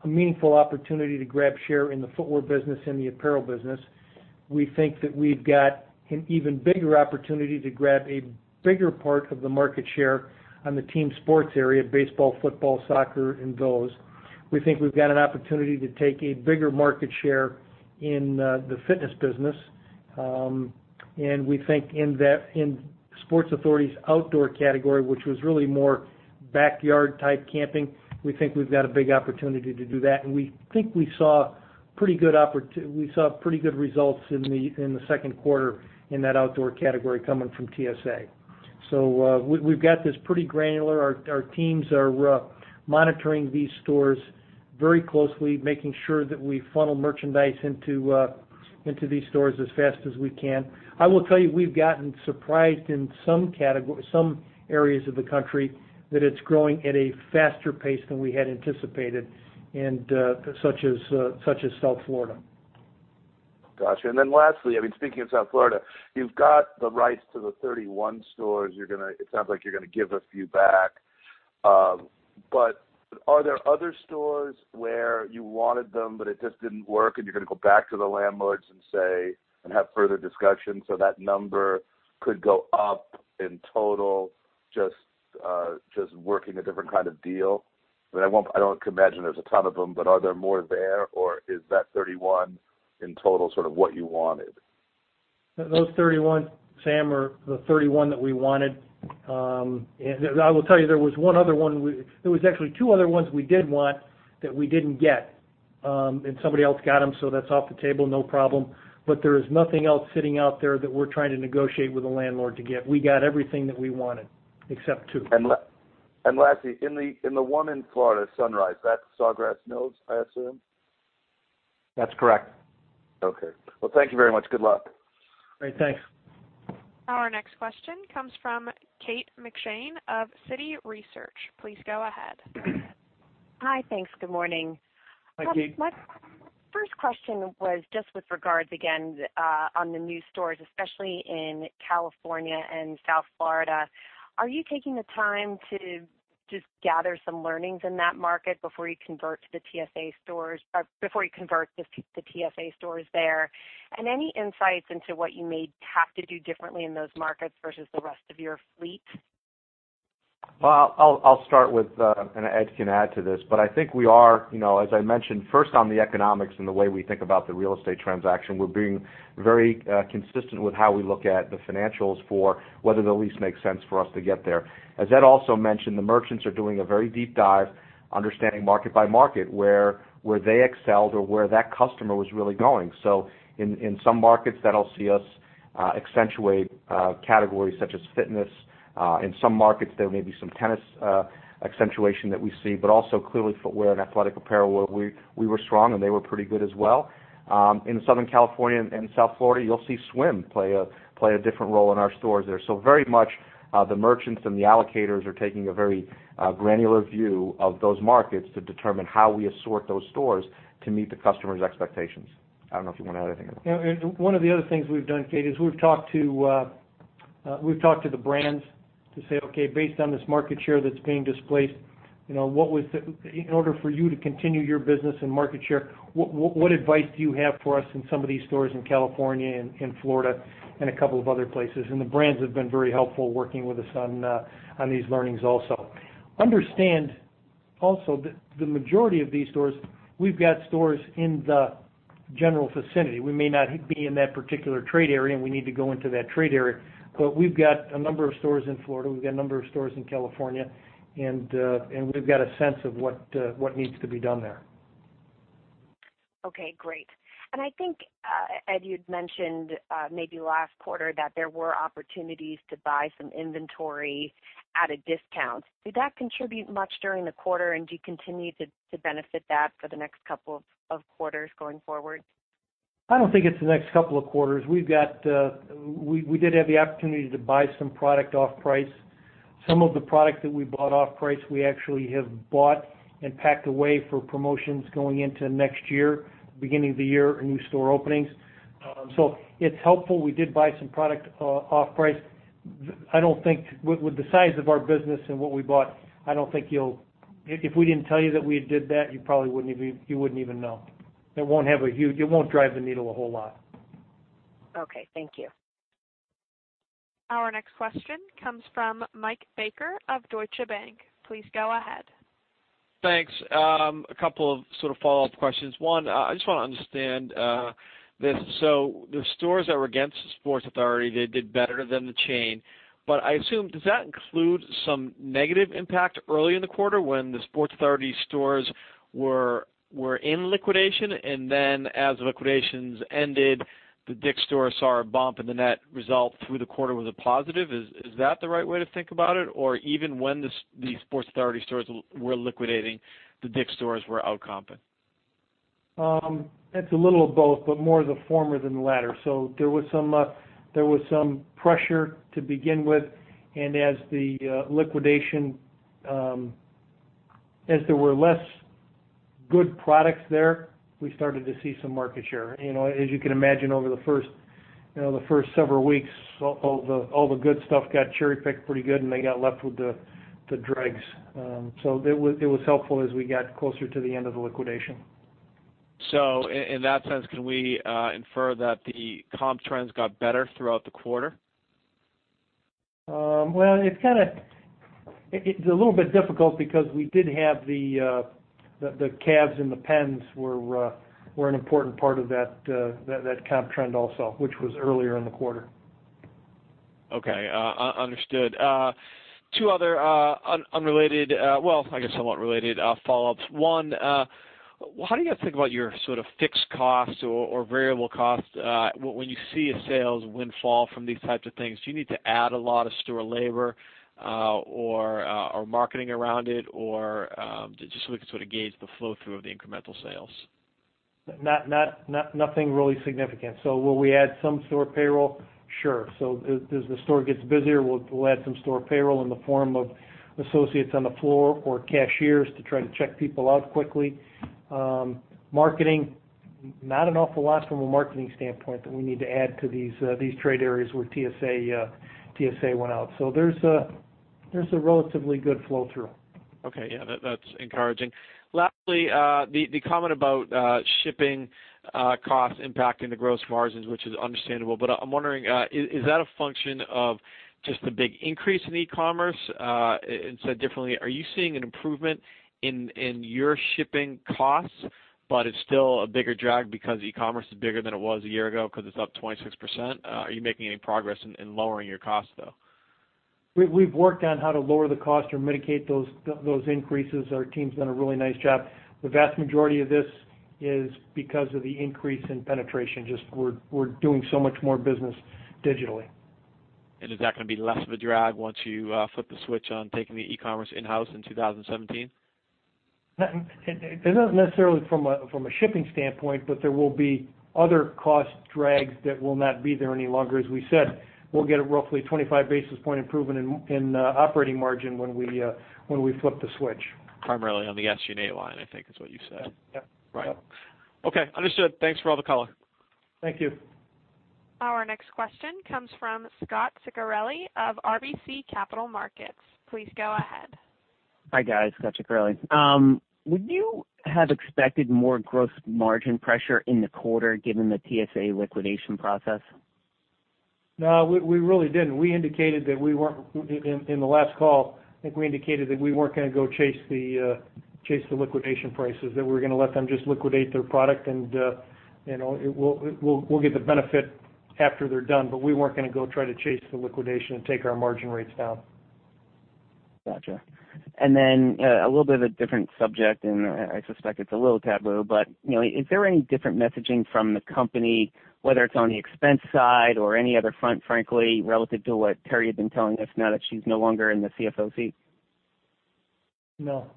Speaker 3: a meaningful opportunity to grab share in the footwear business and the apparel business. We think that we've got an even bigger opportunity to grab a bigger part of the market share on the team sports area, baseball, football, soccer, and those. We think we've got an opportunity to take a bigger market share in the fitness business. We think in Sports Authority's outdoor category, which was really more backyard-type camping, we think we've got a big opportunity to do that. We think we saw pretty good results in the second quarter in that outdoor category coming from TSA. We've got this pretty granular. Our teams are monitoring these stores very closely, making sure that we funnel merchandise into these stores as fast as we can. I will tell you, we've gotten surprised in some areas of the country that it's growing at a faster pace than we had anticipated, such as South Florida.
Speaker 13: Got you. Lastly, speaking of South Florida, you've got the rights to the 31 stores. It sounds like you're going to give a few back. Are there other stores where you wanted them, but it just didn't work, and you're going to go back to the landlords and have further discussions so that number could go up in total, just working a different kind of deal? I don't imagine there's a ton of them, but are there more there, or is that 31 in total sort of what you wanted?
Speaker 3: Those 31, Sam, are the 31 that we wanted. I will tell you, there was actually two other ones we did want that we didn't get. Somebody else got them, so that's off the table, no problem. There is nothing else sitting out there that we're trying to negotiate with a landlord to get. We got everything that we wanted, except two.
Speaker 13: Lastly, in the one in Florida, Sunrise, that's Sawgrass Mills, I assume?
Speaker 3: That's correct.
Speaker 13: Okay. Well, thank you very much. Good luck.
Speaker 3: Great. Thanks.
Speaker 1: Our next question comes from Kate McShane of Citi Research. Please go ahead.
Speaker 14: Hi, thanks. Good morning.
Speaker 3: Hi, Kate.
Speaker 14: My first question was just with regards again on the new stores, especially in California and South Florida. Are you taking the time to just gather some learnings in that market before you convert the TSA stores there? Any insights into what you may have to do differently in those markets versus the rest of your fleet?
Speaker 4: Well, I'll start with, and Ed can add to this, but I think we are, as I mentioned, first on the economics and the way we think about the real estate transaction, we're being very consistent with how we look at the financials for whether the lease makes sense for us to get there. As Ed also mentioned, the merchants are doing a very deep dive, understanding market by market, where they excelled or where that customer was really going. In some markets, that'll see us accentuate categories such as fitness. In some markets, there may be some tennis accentuation that we see, but also clearly footwear and athletic apparel where we were strong, and they were pretty good as well. In Southern California and South Florida, you'll see swim play a different role in our stores there. Very much, the merchants and the allocators are taking a very granular view of those markets to determine how we assort those stores to meet the customer's expectations. I don't know if you want to add anything.
Speaker 3: One of the other things we've done, Kate, is we've talked to the brands to say, "Okay, based on this market share that's being displaced, in order for you to continue your business and market share, what advice do you have for us in some of these stores in California and Florida and a couple of other places?" The brands have been very helpful working with us on these learnings also. Understand also that the majority of these stores, we've got stores in the general vicinity. We may not be in that particular trade area, and we need to go into that trade area. We've got a number of stores in Florida, we've got a number of stores in California, and we've got a sense of what needs to be done there.
Speaker 14: Okay, great. I think, Ed, you'd mentioned maybe last quarter that there were opportunities to buy some inventory at a discount. Did that contribute much during the quarter, and do you continue to benefit that for the next couple of quarters going forward?
Speaker 3: I don't think it's the next couple of quarters. We did have the opportunity to buy some product off-price. Some of the product that we bought off-price, we actually have bought and packed away for promotions going into next year, beginning of the year, and new store openings. It's helpful. We did buy some product off-price. With the size of our business and what we bought, if we didn't tell you that we did that, you probably wouldn't even know. It won't drive the needle a whole lot.
Speaker 14: Okay. Thank you.
Speaker 1: Our next question comes from Mike Baker of Deutsche Bank. Please go ahead.
Speaker 15: Thanks. A couple of sort of follow-up questions. One, I just want to understand this. The stores that were against The Sports Authority, they did better than the chain. I assume, does that include some negative impact early in the quarter when The Sports Authority stores were in liquidation, and then as the liquidations ended, the DICK'S stores saw a bump in the net result through the quarter was a positive. Is that the right way to think about it? Even when The Sports Authority stores were liquidating, the DICK'S stores were out-comping?
Speaker 3: It's a little of both, but more of the former than the latter. There was some pressure to begin with, and as there were less good products there, we started to see some market share. As you can imagine, over the first several weeks, all the good stuff got cherry-picked pretty good, and they got left with the dregs. It was helpful as we got closer to the end of the liquidation.
Speaker 15: In that sense, can we infer that the comp trends got better throughout the quarter?
Speaker 3: Well, it's a little bit difficult because we did have the Cavs and the Pens were an important part of that comp trend also, which was earlier in the quarter.
Speaker 15: Okay. Understood. Two other unrelated, well, I guess somewhat related, follow-ups. One, how do you guys think about your sort of fixed costs or variable costs when you see a sales windfall from these types of things? Do you need to add a lot of store labor or marketing around it, or just so we can sort of gauge the flow through of the incremental sales?
Speaker 3: Nothing really significant. Will we add some store payroll? Sure. As the store gets busier, we'll add some store payroll in the form of associates on the floor or cashiers to try to check people out quickly. Marketing, not an awful lot from a marketing standpoint that we need to add to these trade areas where TSA went out. There's a relatively good flow through.
Speaker 15: Okay. Yeah, that's encouraging. Lastly, the comment about shipping costs impacting the gross margins, which is understandable, but I'm wondering, is that a function of just the big increase in e-commerce? Said differently, are you seeing an improvement in your shipping costs, but it's still a bigger drag because e-commerce is bigger than it was a year ago because it's up 26%? Are you making any progress in lowering your costs, though?
Speaker 3: We've worked on how to lower the cost or mitigate those increases. Our team's done a really nice job. The vast majority of this is because of the increase in penetration, just we're doing so much more business digitally.
Speaker 15: Is that going to be less of a drag once you flip the switch on taking the e-commerce in-house in 2017?
Speaker 3: It isn't necessarily from a shipping standpoint. There will be other cost drags that will not be there any longer. As we said, we'll get a roughly 25 basis point improvement in operating margin when we flip the switch.
Speaker 15: Primarily on the SG&A line, I think is what you said.
Speaker 3: Yeah.
Speaker 15: Right. Okay. Understood. Thanks for all the color.
Speaker 3: Thank you.
Speaker 1: Our next question comes from Scot Ciccarelli of RBC Capital Markets. Please go ahead.
Speaker 16: Hi, guys. Scot Ciccarelli. Would you have expected more gross margin pressure in the quarter given the TSA liquidation process?
Speaker 3: No, we really didn't. In the last call, I think we indicated that we weren't going to go chase the liquidation prices, that we were going to let them just liquidate their product and we'll get the benefit after they're done. We weren't going to go try to chase the liquidation and take our margin rates down.
Speaker 16: Got you. A little bit of a different subject, and I suspect it's a little taboo, but is there any different messaging from the company, whether it's on the expense side or any other front, frankly, relative to what Teri had been telling us now that she's no longer in the CFO seat?
Speaker 3: No.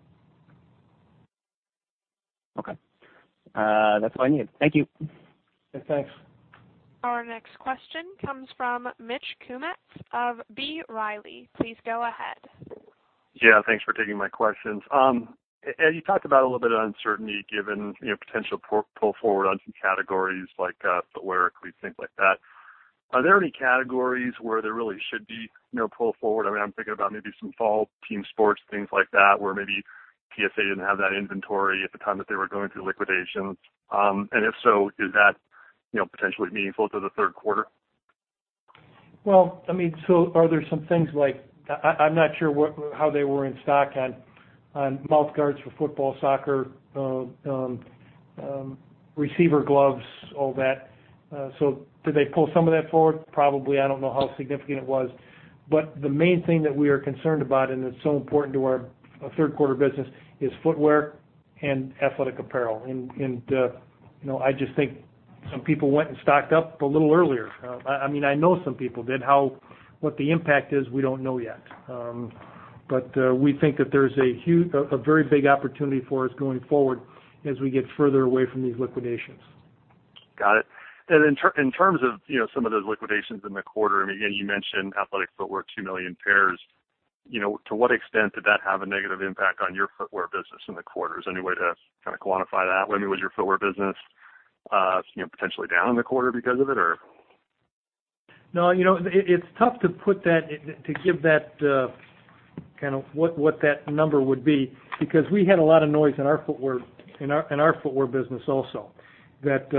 Speaker 16: Okay. That's all I need. Thank you.
Speaker 3: Yeah, thanks.
Speaker 1: Our next question comes from Mitch Kummetz of B. Riley. Please go ahead.
Speaker 17: Yeah, thanks for taking my questions. Ed, you talked about a little bit of uncertainty given potential pull forward on some categories like footwear, things like that. Are there any categories where there really should be pull forward? I'm thinking about maybe some fall team sports, things like that, where maybe TSA didn't have that inventory at the time that they were going through liquidations. If so, is that potentially meaningful to the third quarter?
Speaker 3: Are there some things like I'm not sure how they were in stock on mouth guards for football, soccer, receiver gloves, all that. Did they pull some of that forward? Probably. I don't know how significant it was. The main thing that we are concerned about, and it's so important to our third quarter business, is footwear and athletic apparel. I just think some people went and stocked up a little earlier. I know some people did. What the impact is, we don't know yet. We think that there's a very big opportunity for us going forward as we get further away from these liquidations.
Speaker 17: Got it. In terms of some of those liquidations in the quarter, again, you mentioned athletic footwear, 2 million pairs. To what extent did that have a negative impact on your footwear business in the quarter? Is there any way to kind of quantify that? Was your footwear business potentially down in the quarter because of it, or?
Speaker 3: No. It's tough to give what that number would be, because we had a lot of noise in our footwear business also, that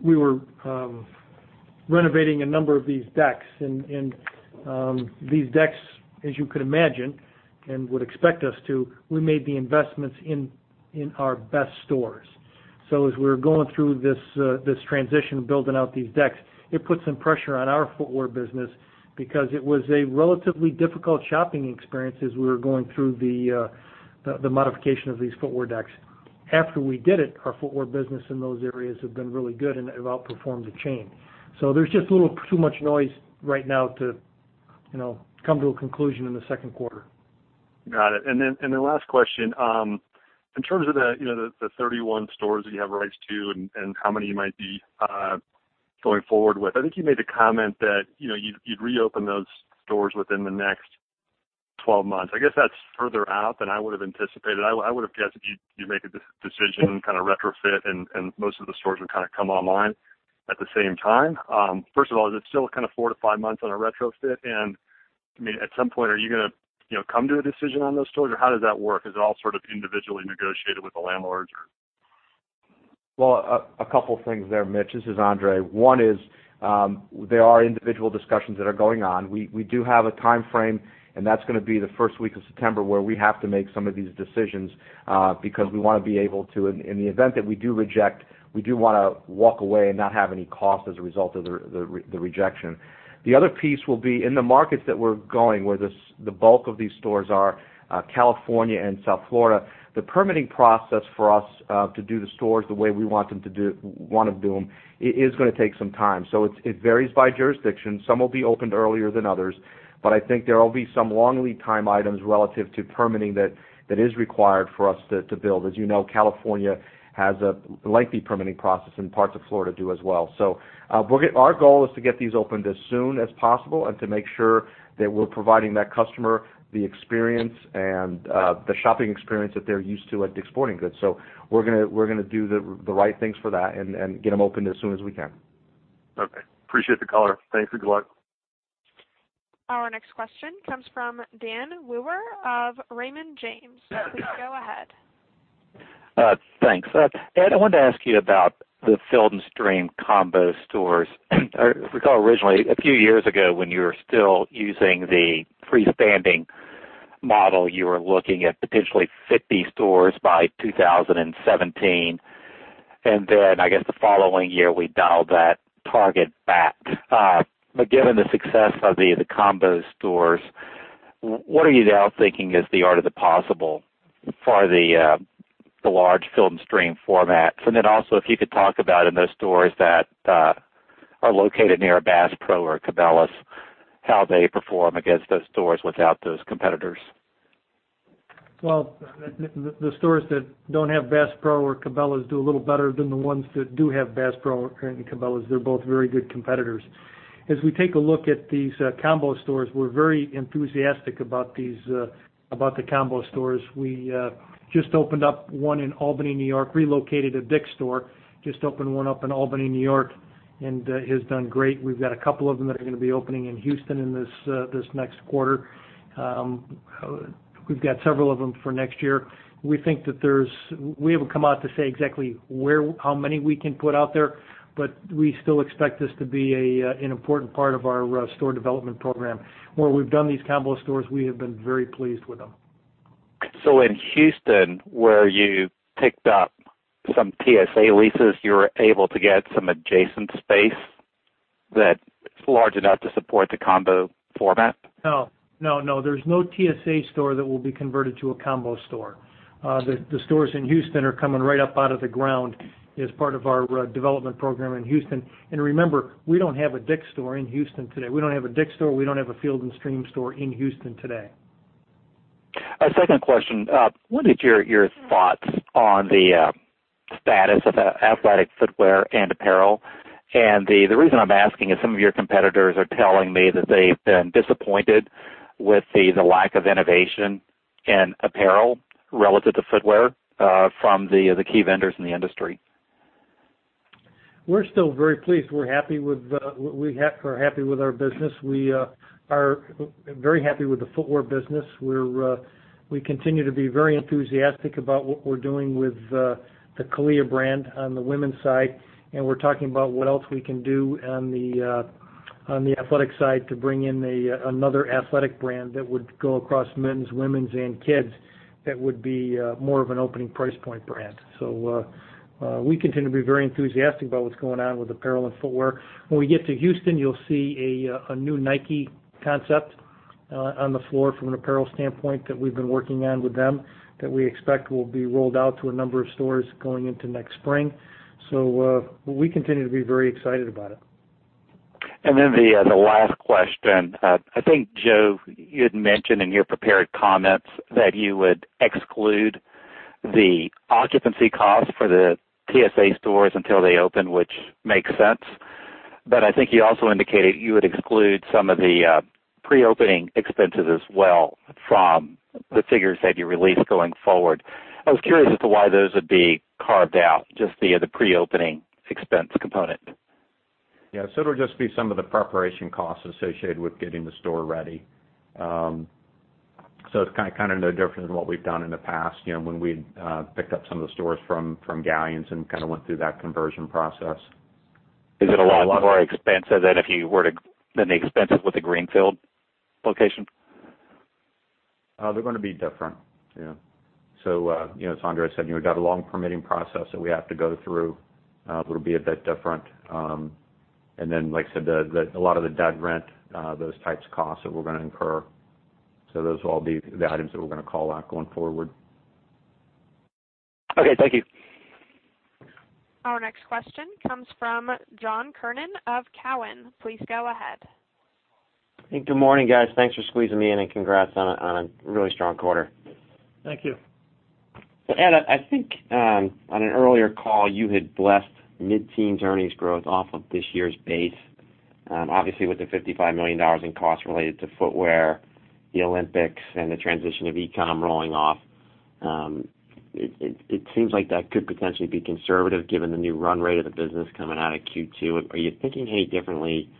Speaker 3: we were renovating a number of these decks. These decks, as you could imagine, and would expect us to, we made the investments in our best stores. As we're going through this transition of building out these decks, it put some pressure on our footwear business because it was a relatively difficult shopping experience as we were going through the modification of these footwear decks. After we did it, our footwear business in those areas have been really good and have outperformed the chain. There's just a little too much noise right now to come to a conclusion in the second quarter.
Speaker 17: Got it. Last question. In terms of the 31 stores that you have rights to and how many you might be going forward with, I think you made the comment that you'd reopen those stores within the next 12 months. I guess that's further out than I would've anticipated. I would've guessed you'd make a decision, kind of retrofit, and most of the stores would kind of come online at the same time. First of all, is it still 4 to 5 months on a retrofit? At some point, are you going to come to a decision on those stores, or how does that work? Is it all sort of individually negotiated with the landlords, or?
Speaker 4: A couple things there, Mitch. This is André. One is, there are individual discussions that are going on. We do have a timeframe, and that is going to be the first week of September, where we have to make some of these decisions because in the event that we do reject, we do want to walk away and not have any cost as a result of the rejection. The other piece will be in the markets that we are going, where the bulk of these stores are, California and South Florida. The permitting process for us to do the stores the way we want to do them is going to take some time. It varies by jurisdiction. Some will be opened earlier than others, but I think there will be some long lead time items relative to permitting that is required for us to build. As you know, California has a lengthy permitting process, and parts of Florida do as well. Our goal is to get these opened as soon as possible and to make sure that we are providing that customer the experience and the shopping experience that they are used to at DICK'S Sporting Goods. We are going to do the right things for that and get them opened as soon as we can.
Speaker 17: Okay. Appreciate the color. Thanks and good luck.
Speaker 1: Our next question comes from Dan Wewer of Raymond James. Please go ahead.
Speaker 18: Thanks. Ed, I wanted to ask you about the Field & Stream combo stores. I recall originally, a few years ago, when you were still using the freestanding model, you were looking at potentially 50 stores by 2017. I guess the following year, we dialed that target back. Given the success of the combo stores, what are you now thinking is the art of the possible for the large Field & Stream format? Also, if you could talk about in those stores that are located near a Bass Pro Shops or a Cabela's, how they perform against those stores without those competitors.
Speaker 3: The stores that don't have Bass Pro Shops or Cabela's do a little better than the ones that do have Bass Pro Shops and Cabela's. They're both very good competitors. As we take a look at these combo stores, we're very enthusiastic about the combo stores. We just opened up one in Albany, New York, relocated a DICK'S store, just opened one up in Albany, New York. It has done great. We've got a couple of them that are going to be opening in Houston in this next quarter. We've got several of them for next year. We haven't come out to say exactly how many we can put out there, but we still expect this to be an important part of our store development program. Where we've done these combo stores, we have been very pleased with them.
Speaker 18: In Houston, where you picked up some TSA leases, you were able to get some adjacent space that's large enough to support the combo format?
Speaker 3: No. There's no TSA store that will be converted to a combo store. The stores in Houston are coming right up out of the ground as part of our development program in Houston. Remember, we don't have a DICK'S store in Houston today. We don't have a DICK'S store, we don't have a Field & Stream store in Houston today.
Speaker 18: A second question. What is your thoughts on the status of athletic footwear and apparel? The reason I'm asking is some of your competitors are telling me that they've been disappointed with the lack of innovation in apparel relative to footwear from the key vendors in the industry.
Speaker 3: We're still very pleased. We're happy with our business. We are very happy with the footwear business. We continue to be very enthusiastic about what we're doing with the CALIA brand on the women's side, and we're talking about what else we can do on the athletic side to bring in another athletic brand that would go across men's, women's, and kids that would be more of an opening price point brand. We continue to be very enthusiastic about what's going on with apparel and footwear. When we get to Houston, you'll see a new Nike concept on the floor from an apparel standpoint that we've been working on with them that we expect will be rolled out to a number of stores going into next spring. We continue to be very excited about it.
Speaker 18: The last question. I think, Joe, you had mentioned in your prepared comments that you would exclude the occupancy costs for the TSA stores until they open, which makes sense. I think you also indicated you would exclude some of the pre-opening expenses as well from the figures that you release going forward. I was curious as to why those would be carved out, just the pre-opening expense component.
Speaker 5: Yeah. It'll just be some of the preparation costs associated with getting the store ready. It's no different than what we've done in the past, when we picked up some of the stores from Galyan's and went through that conversion process.
Speaker 18: Is it a lot more expensive than the expenses with the greenfield location?
Speaker 5: They're going to be different. Yeah. As André said, we've got a long permitting process that we have to go through. It'll be a bit different. Like I said, a lot of the dead rent, those types of costs that we're going to incur. Those will all be the items that we're going to call out going forward.
Speaker 18: Okay. Thank you.
Speaker 1: Our next question comes from John Kernan of Cowen. Please go ahead.
Speaker 19: Good morning, guys. Thanks for squeezing me in, congrats on a really strong quarter.
Speaker 3: Thank you.
Speaker 19: Ed, I think on an earlier call, you had blessed mid-teens earnings growth off of this year's base. Obviously, with the $55 million in costs related to footwear, the Olympics, and the transition of e-com rolling off, it seems like that could potentially be conservative given the new run rate of the business coming out of Q2. Are you thinking any differently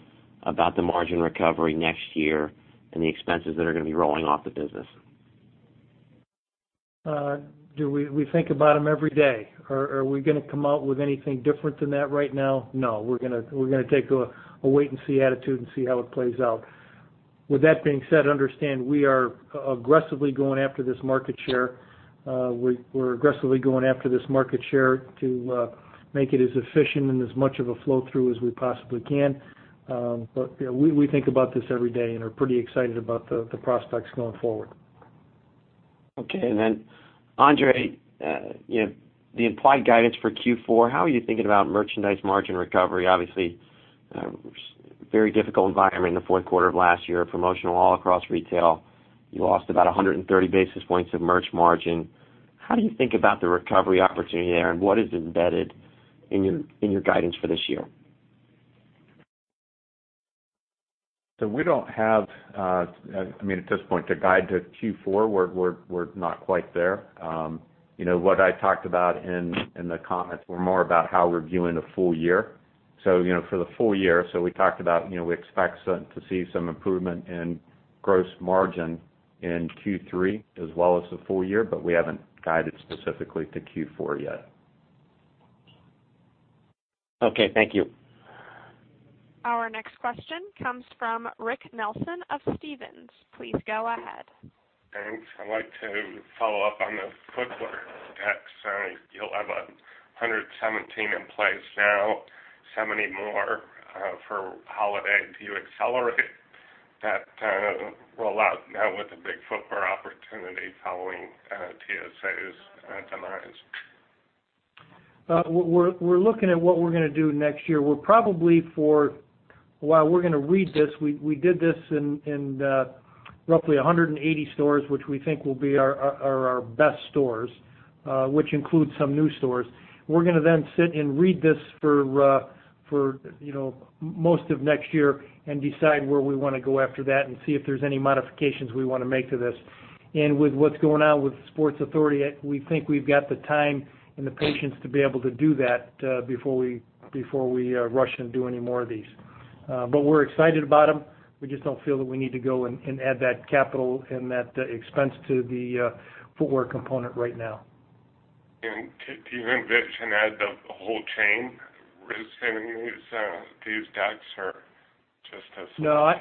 Speaker 19: about the margin recovery next year and the expenses that are going to be rolling off the business?
Speaker 3: We think about them every day. Are we going to come out with anything different than that right now? No. We're going to take a wait and see attitude and see how it plays out. With that being said, understand we are aggressively going after this market share. We're aggressively going after this market share to make it as efficient and as much of a flow-through as we possibly can. We think about this every day and are pretty excited about the prospects going forward.
Speaker 19: Okay, André, the implied guidance for Q4, how are you thinking about merchandise margin recovery? Obviously, very difficult environment in the fourth quarter of last year, promotional all across retail. You lost about 130 basis points of merch margin. How do you think about the recovery opportunity there, and what is embedded in your guidance for this year?
Speaker 5: We don't have, at this point, a guide to Q4. We're not quite there. What I talked about in the comments were more about how we're viewing the full year. For the full year, we talked about, we expect to see some improvement in gross margin in Q3 as well as the full year, but we haven't guided specifically to Q4 yet.
Speaker 19: Okay. Thank you.
Speaker 1: Our next question comes from Rick Nelson of Stephens. Please go ahead.
Speaker 20: Thanks. I'd like to follow up on the footwear decks. You all have 117 in place now, 70 more for holiday. Do you accelerate that roll out now with the big footwear opportunity following TSA's demise?
Speaker 3: We're looking at what we're going to do next year. While we're going to read this, we did this in roughly 180 stores, which we think will be our best stores, which includes some new stores. We're going to sit and read this for most of next year and decide where we want to go after that and see if there's any modifications we want to make to this. With what's going on with Sports Authority, we think we've got the time and the patience to be able to do that before we rush and do any more of these. We're excited about them. We just don't feel that we need to go and add that capital and that expense to the footwear component right now.
Speaker 20: Do you envision adding the whole chain, risk adding these decks are just as-
Speaker 3: No.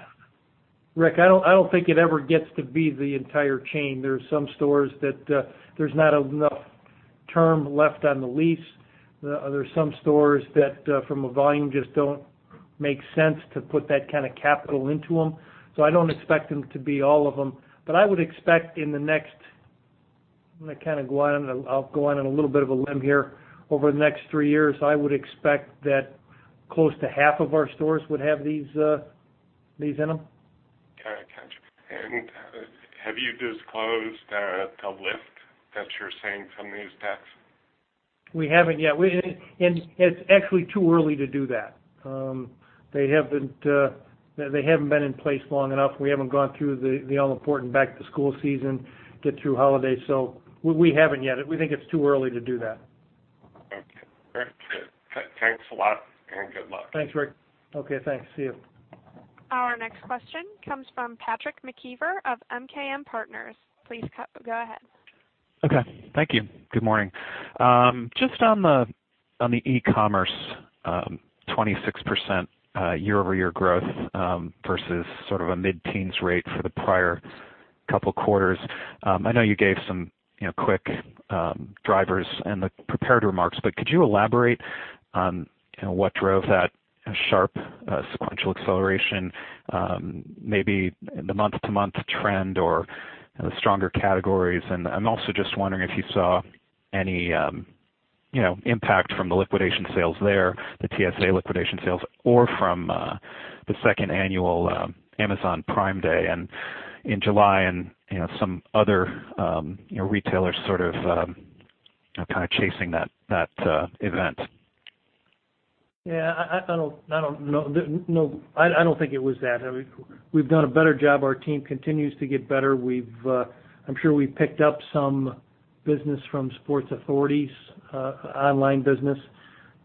Speaker 3: Rick, I don't think it ever gets to be the entire chain. There's some stores that there's not enough term left on the lease. There's some stores that, from a volume, just don't make sense to put that kind of capital into them. I don't expect them to be all of them. I would expect in the next, I'm going to go out on a little bit of a limb here, over the next three years, I would expect that close to half of our stores would have these in them.
Speaker 20: Got it. Have you disclosed the lift that you're seeing from these decks?
Speaker 3: We haven't yet. It's actually too early to do that. They haven't been in place long enough. We haven't gone through the all-important back-to-school season, get through holidays. We haven't yet. We think it's too early to do that.
Speaker 20: Okay. Great. Thanks a lot, and good luck.
Speaker 3: Thanks, Rick. Okay, thanks. See you.
Speaker 1: Our next question comes from Patrick McKeever of MKM Partners. Please go ahead.
Speaker 21: Okay. Thank you. Good morning. Just on the e-commerce, 26% year-over-year growth, versus sort of a mid-teens rate for the prior couple quarters. I know you gave some quick drivers in the prepared remarks, but could you elaborate on what drove that sharp sequential acceleration, maybe the month-to-month trend or the stronger categories? I'm also just wondering if you saw any impact from the liquidation sales there, the TSA liquidation sales, or from the second annual Amazon Prime Day in July and some other retailers sort of chasing that event.
Speaker 3: Yeah. I don't think it was that. We've done a better job. Our team continues to get better. I'm sure we've picked up some business from Sports Authority's online business.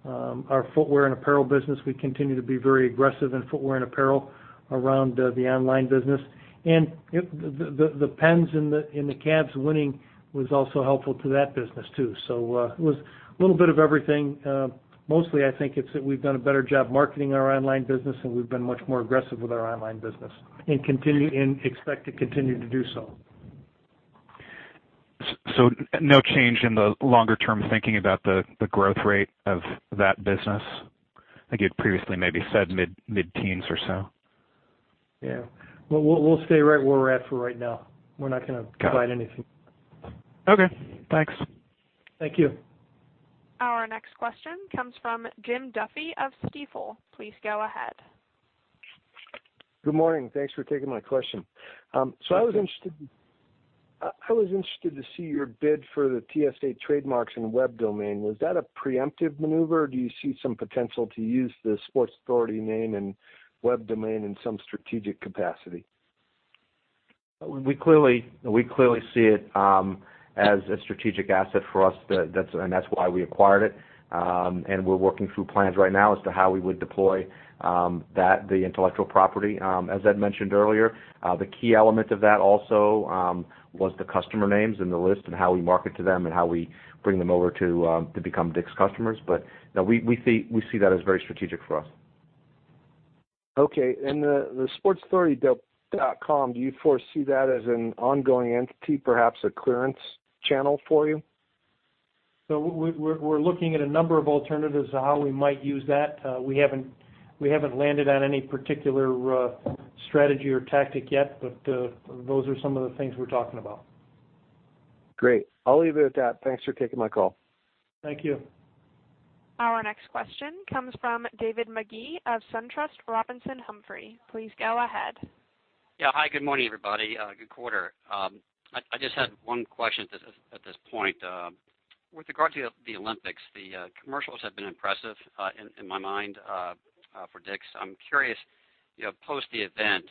Speaker 3: Our footwear and apparel business, we continue to be very aggressive in footwear and apparel around the online business. The Pens and the Cavs winning was also helpful to that business, too. It was a little bit of everything. Mostly, I think it's that we've done a better job marketing our online business, and we've been much more aggressive with our online business, and expect to continue to do so.
Speaker 21: No change in the longer-term thinking about the growth rate of that business? I think you had previously maybe said mid-teens or so.
Speaker 3: Yeah. We'll stay right where we're at for right now. We're not going to provide anything.
Speaker 21: Okay. Thanks.
Speaker 3: Thank you.
Speaker 1: Our next question comes from Jim Duffy of Stifel. Please go ahead.
Speaker 22: Good morning. Thanks for taking my question.
Speaker 3: Thank you.
Speaker 22: I was interested to see your bid for the TSA trademarks and web domain. Was that a preemptive maneuver, or do you see some potential to use the Sports Authority name and web domain in some strategic capacity?
Speaker 4: We clearly see it as a strategic asset for us, and that's why we acquired it. We're working through plans right now as to how we would deploy the intellectual property. As Ed mentioned earlier, the key element of that also was the customer names and the list and how we market to them and how we bring them over to become DICK'S customers. No, we see that as very strategic for us.
Speaker 22: The sportsauthority.com, do you foresee that as an ongoing entity, perhaps a clearance channel for you?
Speaker 3: We're looking at a number of alternatives on how we might use that. We haven't landed on any particular strategy or tactic yet, but those are some of the things we're talking about.
Speaker 22: Great. I'll leave it at that. Thanks for taking my call.
Speaker 3: Thank you.
Speaker 1: Our next question comes from David Magee of SunTrust Robinson Humphrey. Please go ahead.
Speaker 23: Yeah. Hi, good morning, everybody. Good quarter. I just had one question at this point. With regard to the Olympics, the commercials have been impressive, in my mind, for DICK'S. I'm curious, post the event,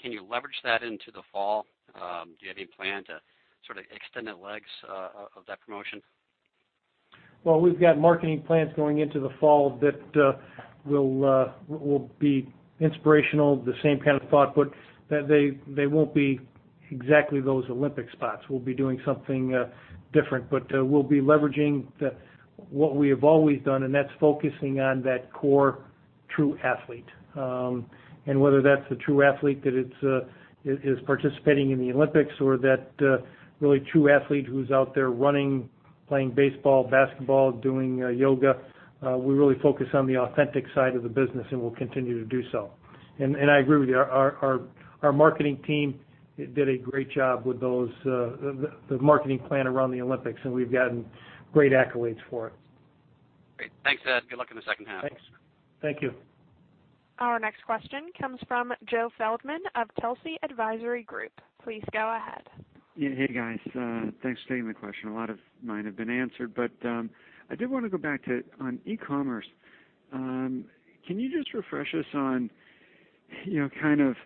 Speaker 23: can you leverage that into the fall? Do you have any plan to sort of extend the legs of that promotion?
Speaker 3: Well, we've got marketing plans going into the fall that will be inspirational, the same kind of thought. They won't be exactly those Olympic spots. We'll be doing something different. We'll be leveraging what we have always done, and that's focusing on that core true athlete. Whether that's the true athlete that is participating in the Olympics or that really true athlete who's out there running, playing baseball, basketball, doing yoga. We really focus on the authentic side of the business and will continue to do so. I agree with you. Our marketing team did a great job with the marketing plan around the Olympics, and we've gotten great accolades for it.
Speaker 23: Great. Thanks, Ed. Good luck in the second half.
Speaker 3: Thanks. Thank you.
Speaker 1: Our next question comes from Joe Feldman of Telsey Advisory Group. Please go ahead.
Speaker 24: Hey, guys. Thanks for taking the question. A lot of mine have been answered, but I did want to go back to on e-commerce. Can you just refresh us on kind of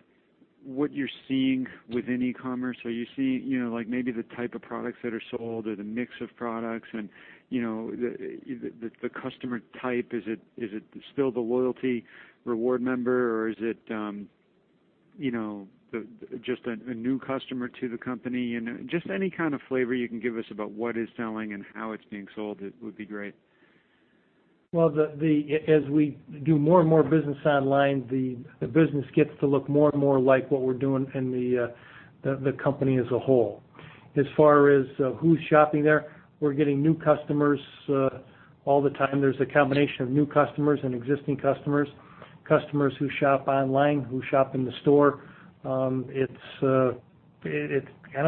Speaker 24: What you're seeing within e-commerce. Are you seeing maybe the type of products that are sold or the mix of products and the customer type? Is it still the loyalty reward member or is it just a new customer to the company? Just any kind of flavor you can give us about what is selling and how it's being sold would be great.
Speaker 3: Well, as we do more and more business online, the business gets to look more and more like what we're doing in the company as a whole. As far as who's shopping there, we're getting new customers all the time. There's a combination of new customers and existing customers who shop online, who shop in the store. It's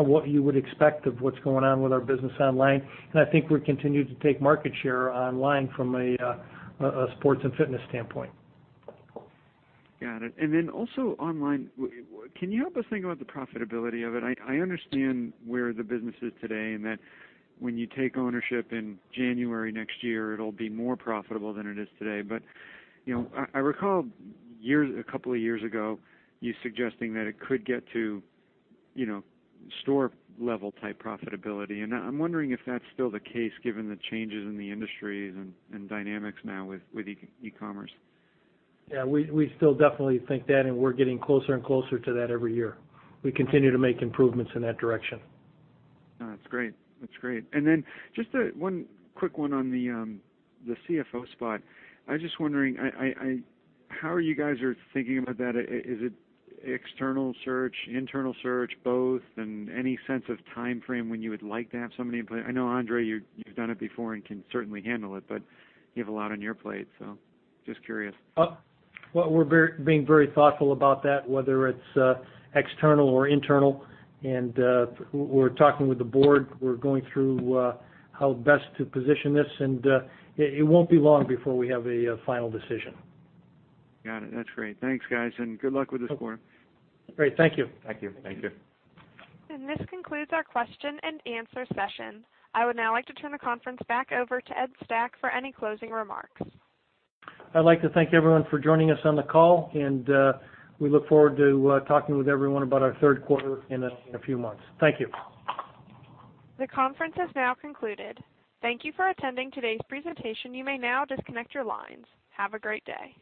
Speaker 3: what you would expect of what's going on with our business online, and I think we continue to take market share online from a sports and fitness standpoint.
Speaker 24: Got it. Then also online, can you help us think about the profitability of it? I understand where the business is today and that when you take ownership in January next year, it'll be more profitable than it is today. I recall a couple of years ago you suggesting that it could get to store level type profitability. I'm wondering if that's still the case given the changes in the industry and dynamics now with e-commerce.
Speaker 3: Yeah, we still definitely think that, we're getting closer and closer to that every year. We continue to make improvements in that direction.
Speaker 24: No, that's great. Then just one quick one on the CFO spot. I was just wondering how are you guys are thinking about that. Is it external search, internal search, both, any sense of timeframe when you would like to have somebody in place? I know, André, you've done it before and can certainly handle it, you have a lot on your plate, just curious.
Speaker 3: Well, we're being very thoughtful about that, whether it's external or internal. We're talking with the board. We're going through how best to position this, it won't be long before we have a final decision.
Speaker 24: Got it. That's great. Thanks, guys, good luck with the sport.
Speaker 3: Great. Thank you.
Speaker 4: Thank you.
Speaker 1: This concludes our question and answer session. I would now like to turn the conference back over to Ed Stack for any closing remarks.
Speaker 3: I'd like to thank everyone for joining us on the call, and we look forward to talking with everyone about our third quarter in a few months. Thank you.
Speaker 1: The conference has now concluded. Thank you for attending today's presentation. You may now disconnect your lines. Have a great day.